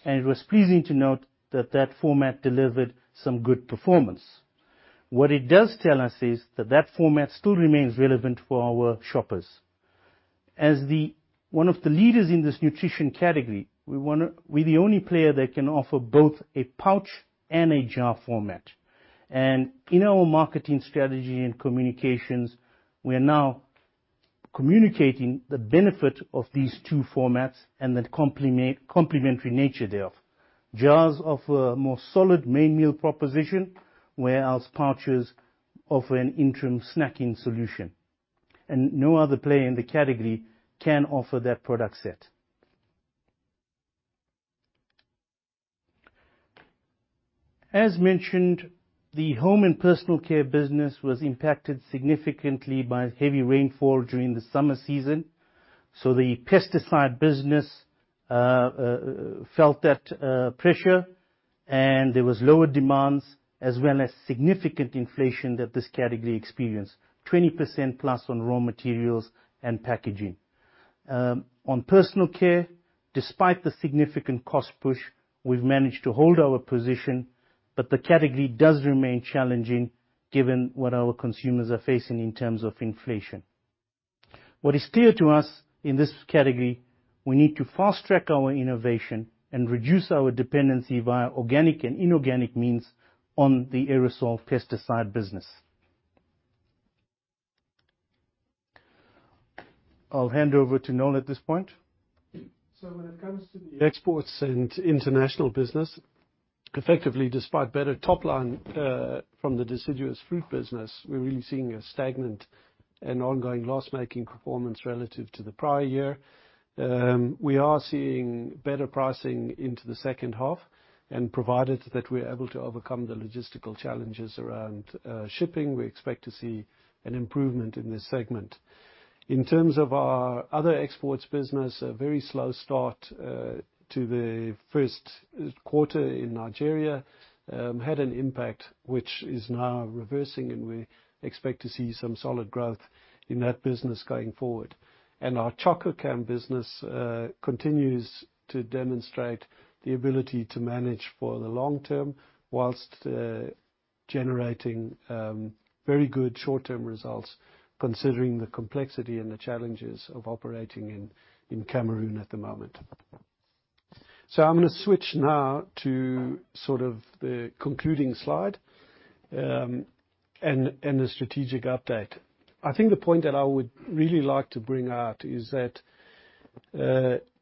and it was pleasing to note that format delivered some good performance. What it does tell us is that format still remains relevant for our shoppers. As one of the leaders in this nutrition category, we're the only player that can offer both a pouch and a jar format. In our marketing strategy and communications, we are now communicating the benefit of these two formats and the complementary nature thereof. Jars offer a more solid main meal proposition, whereas pouches offer an interim snacking solution, and no other player in the category can offer that product set. As mentioned, the home and personal care business was impacted significantly by heavy rainfall during the summer season, so the pesticide business felt that pressure, and there was lower demand as well as significant inflation that this category experienced, 20%+ on raw materials and packaging. On personal care, despite the significant cost push, we've managed to hold our position, but the category does remain challenging given what our consumers are facing in terms of inflation. What is clear to us in this category, we need to fast-track our innovation and reduce our dependency via organic and inorganic means on the aerosol pesticide business. I'll hand over to Noel at this point. When it comes to the exports and international business, effectively, despite better top line, from the deciduous fruit business, we're really seeing a stagnant and ongoing loss-making performance relative to the prior year. We are seeing better pricing into the second half, and provided that we're able to overcome the logistical challenges around, shipping, we expect to see an improvement in this segment. In terms of our other exports business, a very slow start, to the first quarter in Nigeria, had an impact which is now reversing, and we expect to see some solid growth in that business going forward. Our Chococam business continues to demonstrate the ability to manage for the long term while generating very good short-term results considering the complexity and the challenges of operating in Cameroon at the moment. I'm gonna switch now to sort of the concluding slide, and the strategic update. I think the point that I would really like to bring out is that,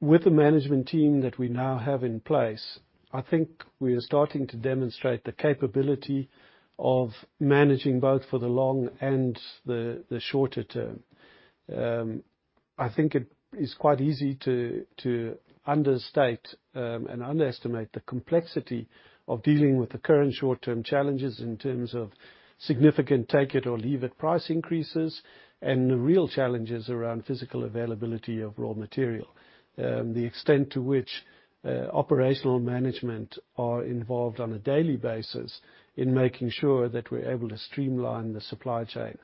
with the management team that we now have in place, I think we are starting to demonstrate the capability of managing both for the long and the shorter term. I think it is quite easy to understate and underestimate the complexity of dealing with the current short-term challenges in terms of significant take-it-or-leave-it price increases, and the real challenges around physical availability of raw material. The extent to which operational management are involved on a daily basis in making sure that we're able to streamline the supply chain.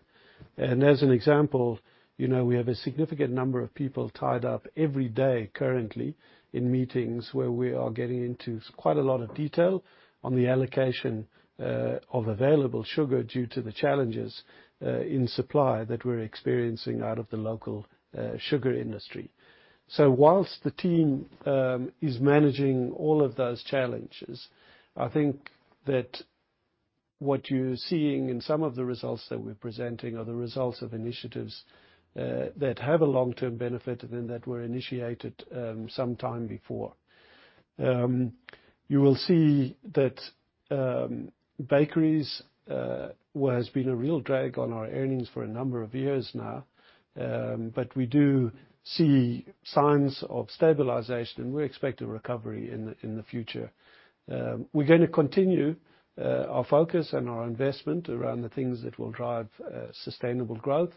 As an example, you know, we have a significant number of people tied up every day currently in meetings where we are getting into quite a lot of detail on the allocation of available sugar due to the challenges in supply that we're experiencing out of the local sugar industry. Whilst the team is managing all of those challenges, I think that what you're seeing in some of the results that we're presenting are the results of initiatives that have a long-term benefit and that were initiated some time before. You will see that bakeries has been a real drag on our earnings for a number of years now, but we do see signs of stabilization. We expect a recovery in the future. We're gonna continue our focus and our investment around the things that will drive sustainable growth,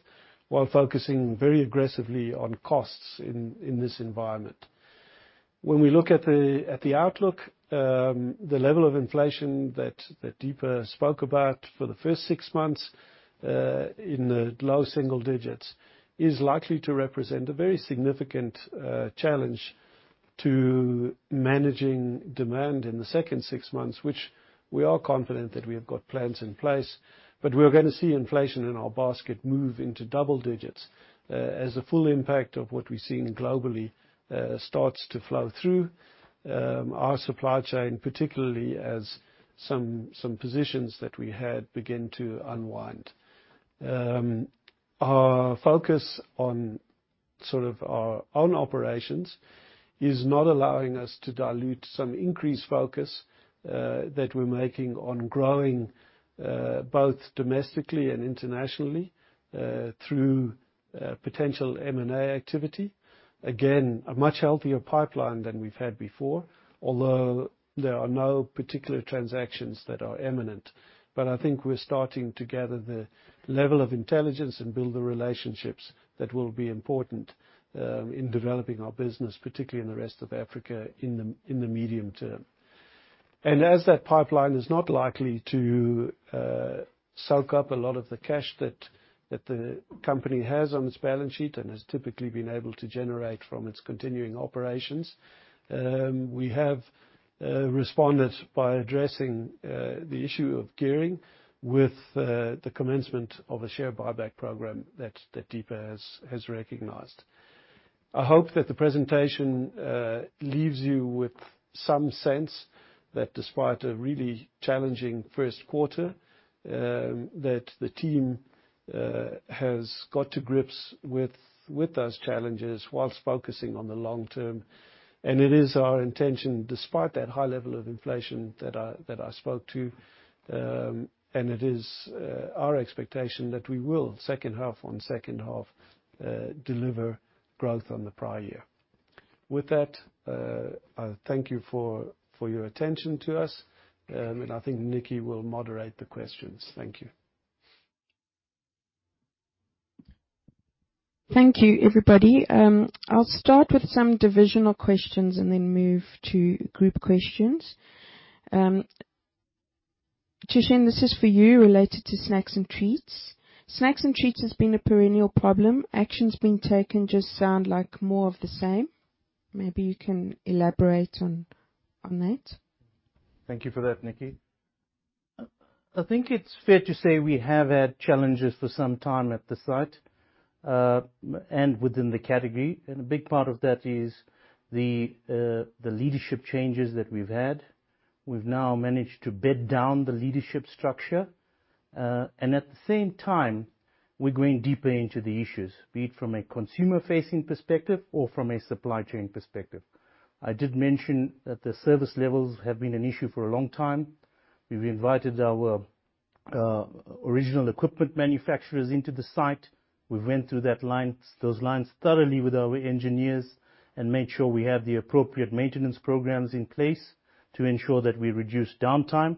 while focusing very aggressively on costs in this environment. When we look at the outlook, the level of inflation that Deepa spoke about for the first six months in the low single digits is likely to represent a very significant challenge to managing demand in the second six months, which we are confident that we have got plans in place, but we're gonna see inflation in our basket move into double digits as the full impact of what we've seen globally starts to flow through our supply chain, particularly as some positions that we had begin to unwind. Our focus on sort of our own operations is not allowing us to dilute some increased focus that we're making on growing both domestically and internationally through potential M&A activity. Again, a much healthier pipeline than we've had before, although there are no particular transactions that are imminent. I think we're starting to gather the level of intelligence and build the relationships that will be important in developing our business, particularly in the rest of Africa in the medium term. As that pipeline is not likely to soak up a lot of the cash that the company has on its balance sheet and has typically been able to generate from its continuing operations, we have responded by addressing the issue of gearing with the commencement of a share buyback program that Deepa has recognized. I hope that the presentation leaves you with some sense that despite a really challenging first quarter, that the team has got to grips with those challenges whilst focusing on the long term. It is our intention, despite that high level of inflation that I spoke to, and it is our expectation that we will second half on second half deliver growth on the prior year. With that, I thank you for your attention to us. I think Nikki will moderate the questions. Thank you. Thank you, everybody. I'll start with some divisional questions and then move to group questions. Thushen, this is for you related to Snacks and Treats. Snacks and Treats has been a perennial problem. Actions being taken just sound like more of the same. Maybe you can elaborate on that. Thank you for that, Nikki. I think it's fair to say we have had challenges for some time at the site, and within the category. A big part of that is the leadership changes that we've had. We've now managed to bed down the leadership structure. At the same time, we're going deeper into the issues, be it from a consumer-facing perspective or from a supply chain perspective. I did mention that the service levels have been an issue for a long time. We've invited our original equipment manufacturers into the site. We went through that line, those lines thoroughly with our engineers and made sure we have the appropriate maintenance programs in place to ensure that we reduce downtime.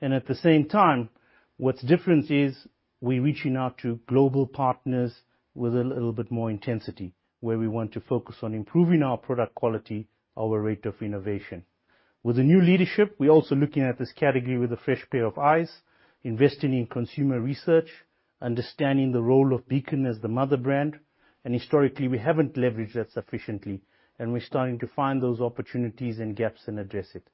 At the same time, what's different is we're reaching out to global partners with a little bit more intensity, where we want to focus on improving our product quality, our rate of innovation. With the new leadership, we're also looking at this category with a fresh pair of eyes, investing in consumer research. Understanding the role of Beacon as the mother brand, and historically, we haven't leveraged that sufficiently, and we're starting to find those opportunities and gaps and address it.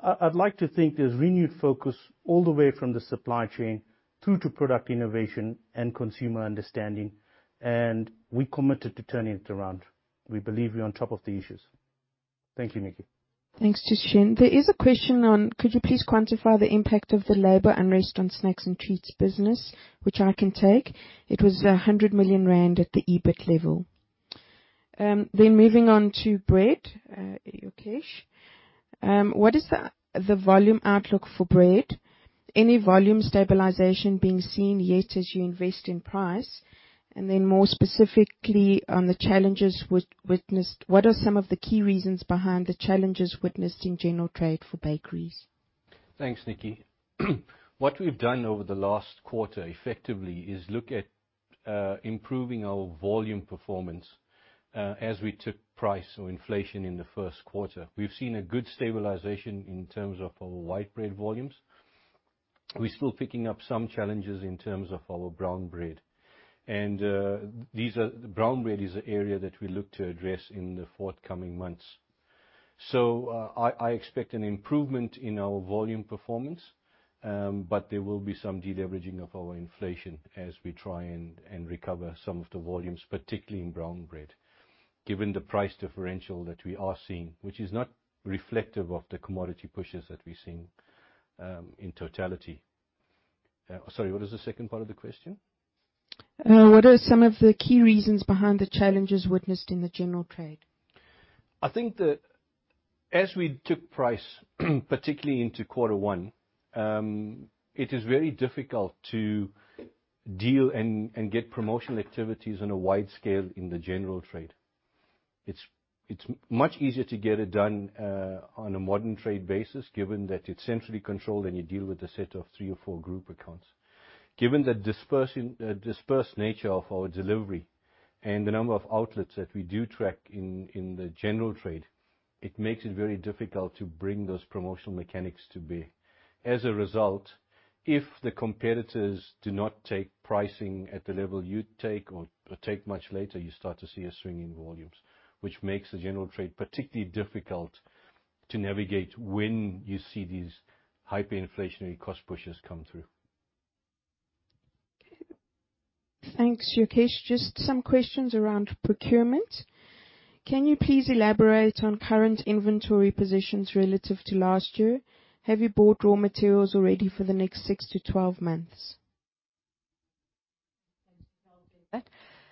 I'd like to think there's renewed focus all the way from the supply chain through to product innovation and consumer understanding, and we're committed to turning it around. We believe we're on top of the issues. Thank you, Nikki. Thanks, Thushen. There is a question on could you please quantify the impact of the labor unrest on the snacks and treats business, which I can take. It was 100 million rand at the EBIT level. Moving on to bread, Yokesh, what is the volume outlook for bread? Any volume stabilization being seen yet as you invest in price? More specifically, on the challenges witnessed, what are some of the key reasons behind the challenges witnessed in general trade for bakeries? Thanks, Nikki. What we've done over the last quarter effectively is look at improving our volume performance as we took price or inflation in the first quarter. We've seen a good stabilization in terms of our white bread volumes. We're still picking up some challenges in terms of our brown bread. Brown bread is an area that we look to address in the forthcoming months. I expect an improvement in our volume performance, but there will be some de-leveraging of our inflation as we try and recover some of the volumes, particularly in brown bread, given the price differential that we are seeing, which is not reflective of the commodity pushes that we're seeing in totality. Sorry, what was the second part of the question? What are some of the key reasons behind the challenges witnessed in the general trade? I think that as we took price, particularly into quarter one, it is very difficult to deal and get promotional activities on a wide scale in the general trade. It's much easier to get it done on a modern trade basis, given that it's centrally controlled and you deal with a set of three or four group accounts. Given the dispersed nature of our delivery and the number of outlets that we do track in the general trade, it makes it very difficult to bring those promotional mechanics to bear. As a result, if the competitors do not take pricing at the level you take or take much later, you start to see a swing in volumes, which makes the general trade particularly difficult to navigate when you see these hyperinflationary cost pushes come through. Thanks, Yokesh. Just some questions around procurement. Can you please elaborate on current inventory positions relative to last year? Have you bought raw materials already for the next six-12 months?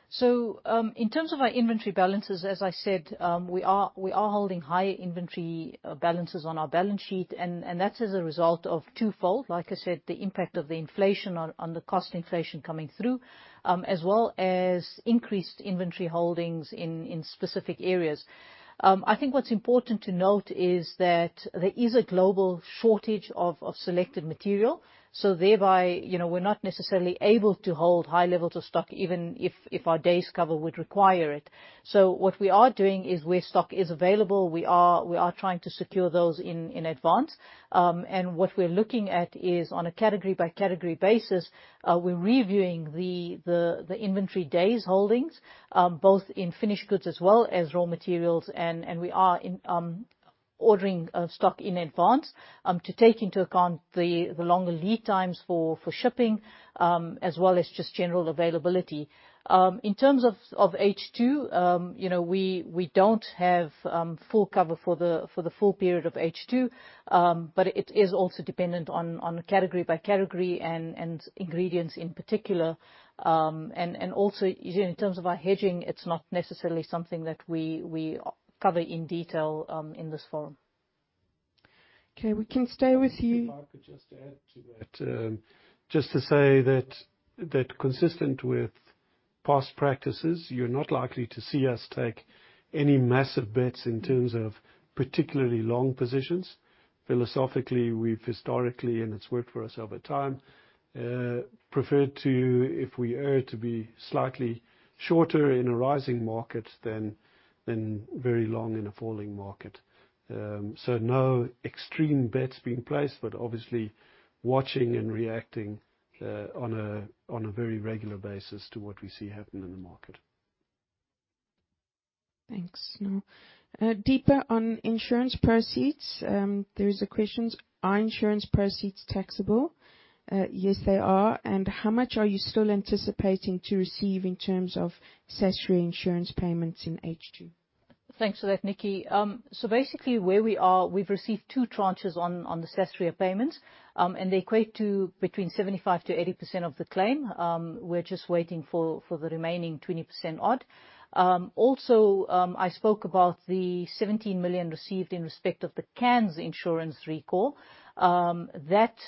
Thanks for that. In terms of our inventory balances, as I said, we are holding high inventory balances on our balance sheet, and that is a result of twofold. Like I said, the impact of the inflation on the cost inflation coming through, as well as increased inventory holdings in specific areas. I think what's important to note is that there is a global shortage of selected material, so thereby, you know, we're not necessarily able to hold high levels of stock even if our days cover would require it. What we are doing is where stock is available, we are trying to secure those in advance. What we're looking at is on a category by category basis, we're reviewing the inventory days holdings, both in finished goods as well as raw materials. We are ordering stock in advance to take into account the longer lead times for shipping, as well as just general availability. In terms of H2, you know, we don't have full cover for the full period of H2, but it is also dependent on a category by category and ingredients in particular. Also in terms of our hedging, it's not necessarily something that we cover in detail in this forum. Okay, we can stay with you. If I could just add to that. Just to say that consistent with past practices, you're not likely to see us take any massive bets in terms of particularly long positions. Philosophically, we've historically, and it's worked for us over time, preferred to, if we are to be slightly shorter in a rising market than very long in a falling market. No extreme bets being placed, but obviously watching and reacting, on a very regular basis to what we see happening in the market. Thanks. Now, deeper on insurance proceeds, there is a question. Are insurance proceeds taxable? Yes, they are. How much are you still anticipating to receive in terms of Sasria insurance payments in H2? Thanks for that, Nikki. Basically where we are, we've received two tranches on the Sasria payments, and they equate to between 75%-80% of the claim. We're just waiting for the remaining 20% odd. Also, I spoke about the 17 million received in respect of the cans insurance recall. That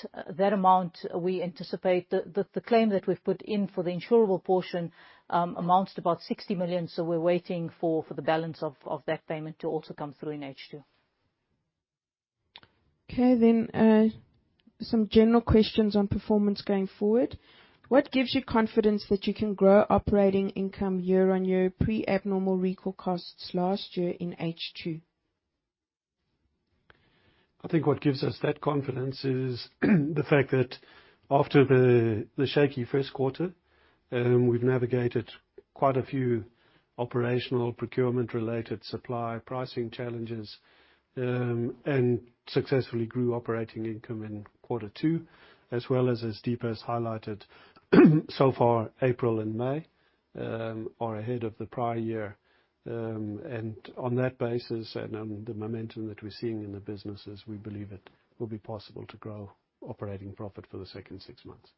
amount we anticipate the claim that we've put in for the insurable portion amounts to about 60 million, so we're waiting for the balance of that payment to also come through in H2. Some general questions on performance going forward. What gives you confidence that you can grow operating income year on year pre-abnormal recall costs last year in H2? I think what gives us that confidence is the fact that after the shaky first quarter, we've navigated quite a few operational procurement related supply pricing challenges, and successfully grew operating income in quarter two, as well as Deepa has highlighted, so far, April and May are ahead of the prior year. On that basis, and on the momentum that we're seeing in the businesses, we believe it will be possible to grow operating profit for the second six months.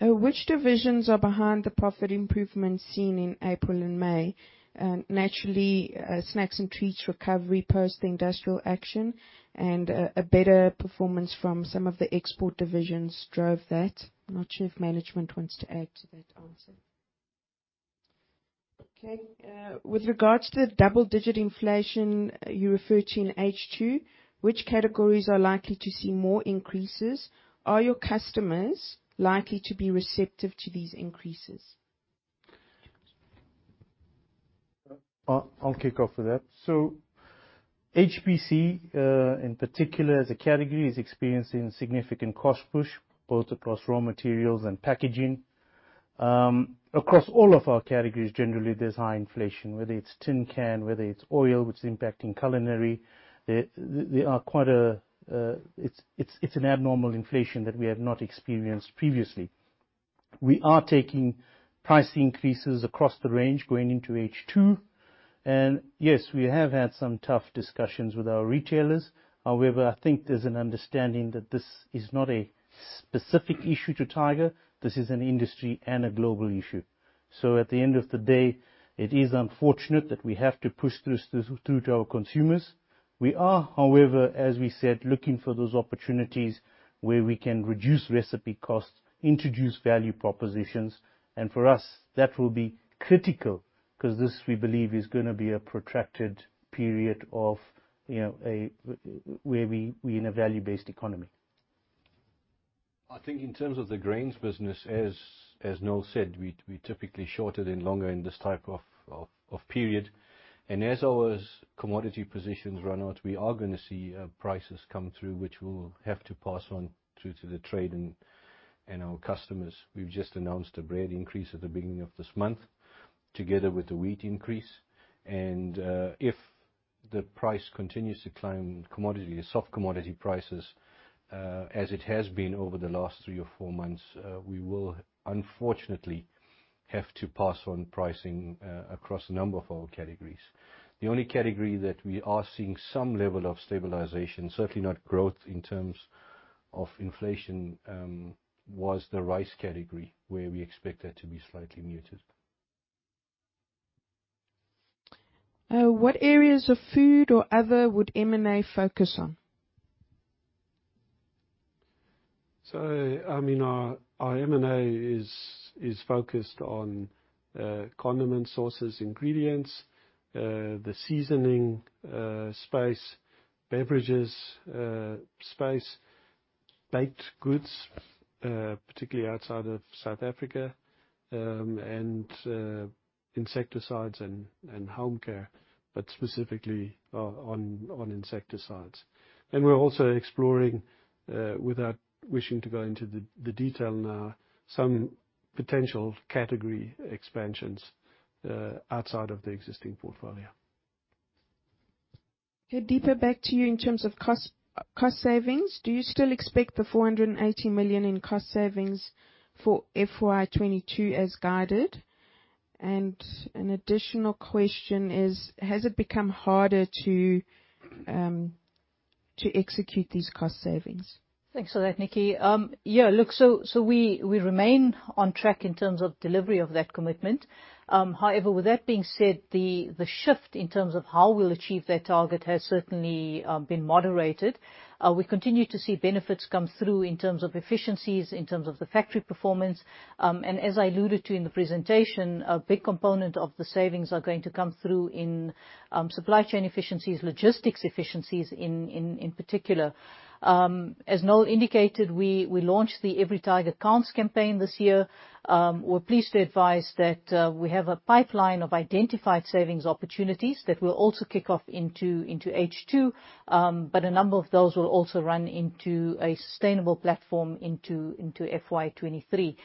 Which divisions are behind the profit improvements seen in April and May? Naturally, snacks and treats recovery post the industrial action and better performance from some of the export divisions drove that. I'm not sure if management wants to add to that answer. Okay. With regards to the double-digit inflation you refer to in H2, which categories are likely to see more increases? Are your customers likely to be receptive to these increases? I'll kick off with that. HPC, in particular as a category, is experiencing significant cost push, both across raw materials and packaging. Across all of our categories, generally, there's high inflation, whether it's tin can, whether it's oil, which is impacting culinary. It's an abnormal inflation that we have not experienced previously. We are taking price increases across the range going into H2. Yes, we have had some tough discussions with our retailers. However, I think there's an understanding that this is not a specific issue to Tiger, this is an industry and a global issue. At the end of the day, it is unfortunate that we have to push this through to our consumers. We are, however, as we said, looking for those opportunities where we can reduce recipe costs, introduce value propositions, and for us, that will be critical because this, we believe, is gonna be a protracted period of, you know, where we're in a value-based economy. I think in terms of the grains business, as Noel said, we typically short and long in this type of period. As our commodity positions run out, we are gonna see prices come through, which we'll have to pass through to the trade and our customers. We've just announced a bread increase at the beginning of this month, together with the wheat increase. If the price continues to climb, soft commodity prices, as it has been over the last three or four months, we will unfortunately have to pass on pricing across a number of our categories. The only category that we are seeing some level of stabilization, certainly not growth in terms of inflation, was the rice category, where we expect that to be slightly muted. What areas of food or other would M&A focus on? I mean, our M&A is focused on condiments, sauces, ingredients, the seasoning space, beverages space, baked goods, particularly outside of South Africa, and insecticides and home care, but specifically on insecticides. We're also exploring, without wishing to go into the detail now, some potential category expansions outside of the existing portfolio. Yeah. Deepa, back to you in terms of cost savings. Do you still expect 480 million in cost savings for FY 2022 as guided? An additional question is, has it become harder to execute these cost savings? Thanks for that, Nikki. Yeah, look, so we remain on track in terms of delivery of that commitment. However, with that being said, the shift in terms of how we'll achieve that target has certainly been moderated. We continue to see benefits come through in terms of efficiencies, in terms of the factory performance. As I alluded to in the presentation, a big component of the savings are going to come through in supply chain efficiencies, logistics efficiencies in particular. As Noel indicated, we launched the Every Tiger Counts campaign this year. We're pleased to advise that we have a pipeline of identified savings opportunities that will also kick off into H2, but a number of those will also run into a sustainable platform into FY 2023.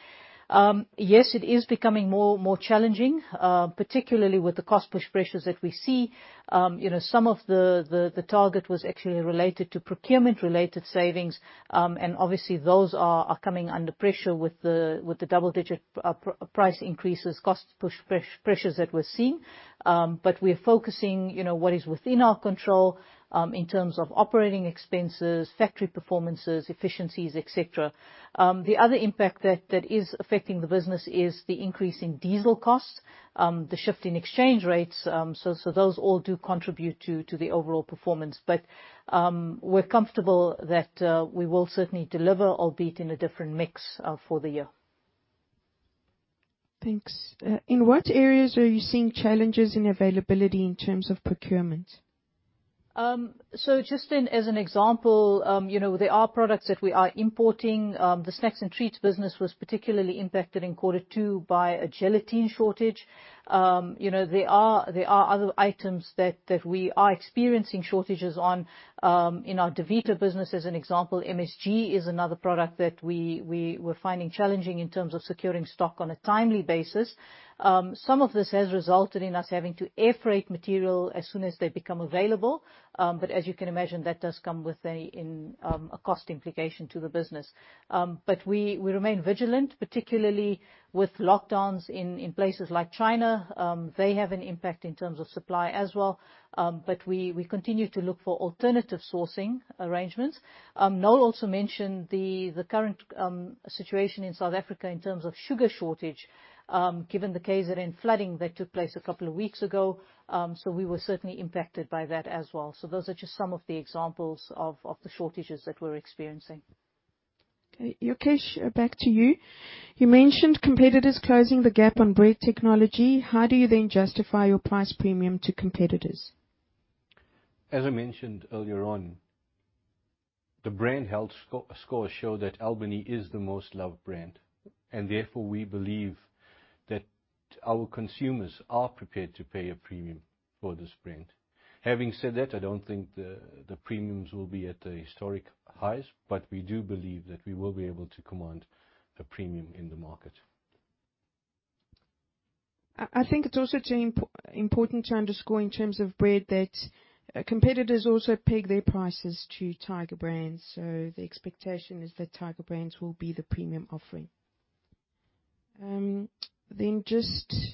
Yes, it is becoming more challenging, particularly with the cost push pressures that we see. You know, some of the target was actually related to procurement related savings. Obviously those are coming under pressure with the double-digit price increases, cost push pressures that we're seeing. We're focusing, you know, what is within our control in terms of operating expenses, factory performances, efficiencies, etc. The other impact that is affecting the business is the increase in diesel costs, the shift in exchange rates. Those all do contribute to the overall performance. We're comfortable that we will certainly deliver, albeit in a different mix, for the year. Thanks. In what areas are you seeing challenges in availability in terms of procurement? Just an example, you know, there are products that we are importing. The snacks and treats business was particularly impacted in quarter two by a gelatin shortage. You know, there are other items that we are experiencing shortages on, in our Davita business as an example, MSG is another product that we were finding challenging in terms of securing stock on a timely basis. Some of this has resulted in us having to air freight material as soon as they become available. As you can imagine, that does come with a cost implication to the business. We remain vigilant, particularly with lockdowns in places like China. They have an impact in terms of supply as well. We continue to look for alternative sourcing arrangements. Noel also mentioned the current situation in South Africa in terms of sugar shortage, given the KZN flooding that took place a couple of weeks ago. We were certainly impacted by that as well. Those are just some of the examples of the shortages that we're experiencing. Okay. Yokesh, back to you. You mentioned competitors closing the gap on bread technology. How do you then justify your price premium to competitors? As I mentioned earlier on, the brand health score shows that Albany is the most loved brand, and therefore, we believe that our consumers are prepared to pay a premium for this brand. Having said that, I don't think the premiums will be at the historic highs, but we do believe that we will be able to command a premium in the market. I think it's also important to underscore in terms of bread that competitors also peg their prices to Tiger Brands. The expectation is that Tiger Brands will be the premium offering. H2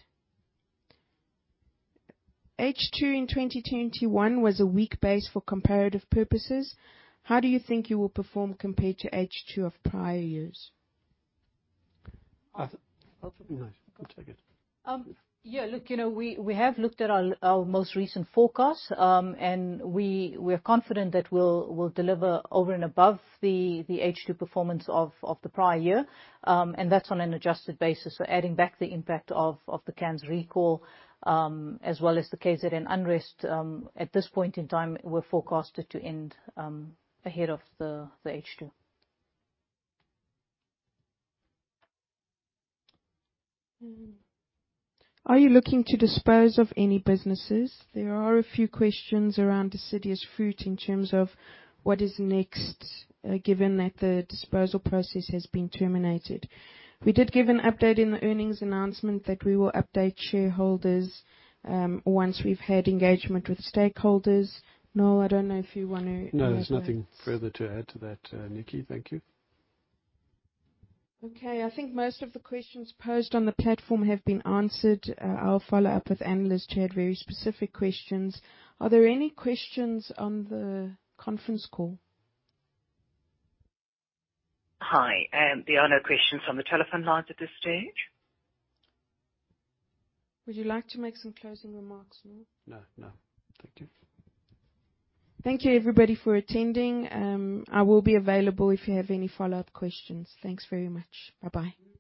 in 2021 was a weak base for comparative purposes. How do you think you will perform compared to H2 of prior years? I think I'll take it. Yeah, look, you know, we have looked at our most recent forecast, and we're confident that we'll deliver over and above the H2 performance of the prior year, and that's on an adjusted basis. We're adding back the impact of the cans recall, as well as the KZN unrest. At this point in time, we're forecasted to end ahead of the H2. Are you looking to dispose of any businesses? There are a few questions around the deciduous fruit in terms of what is next, given that the disposal process has been terminated. We did give an update in the earnings announcement that we will update shareholders, once we've had engagement with stakeholders. Noel, I don't know if you wanna. No, there's nothing further to add to that, Nikki. Thank you. Okay. I think most of the questions posed on the platform have been answered. I'll follow up with analysts who had very specific questions. Are there any questions on the conference call? There are no questions on the telephone lines at this stage. Would you like to make some closing remarks, Noel? No, no. Thank you. Thank you, everybody, for attending. I will be available if you have any follow-up questions. Thanks very much. Bye-bye.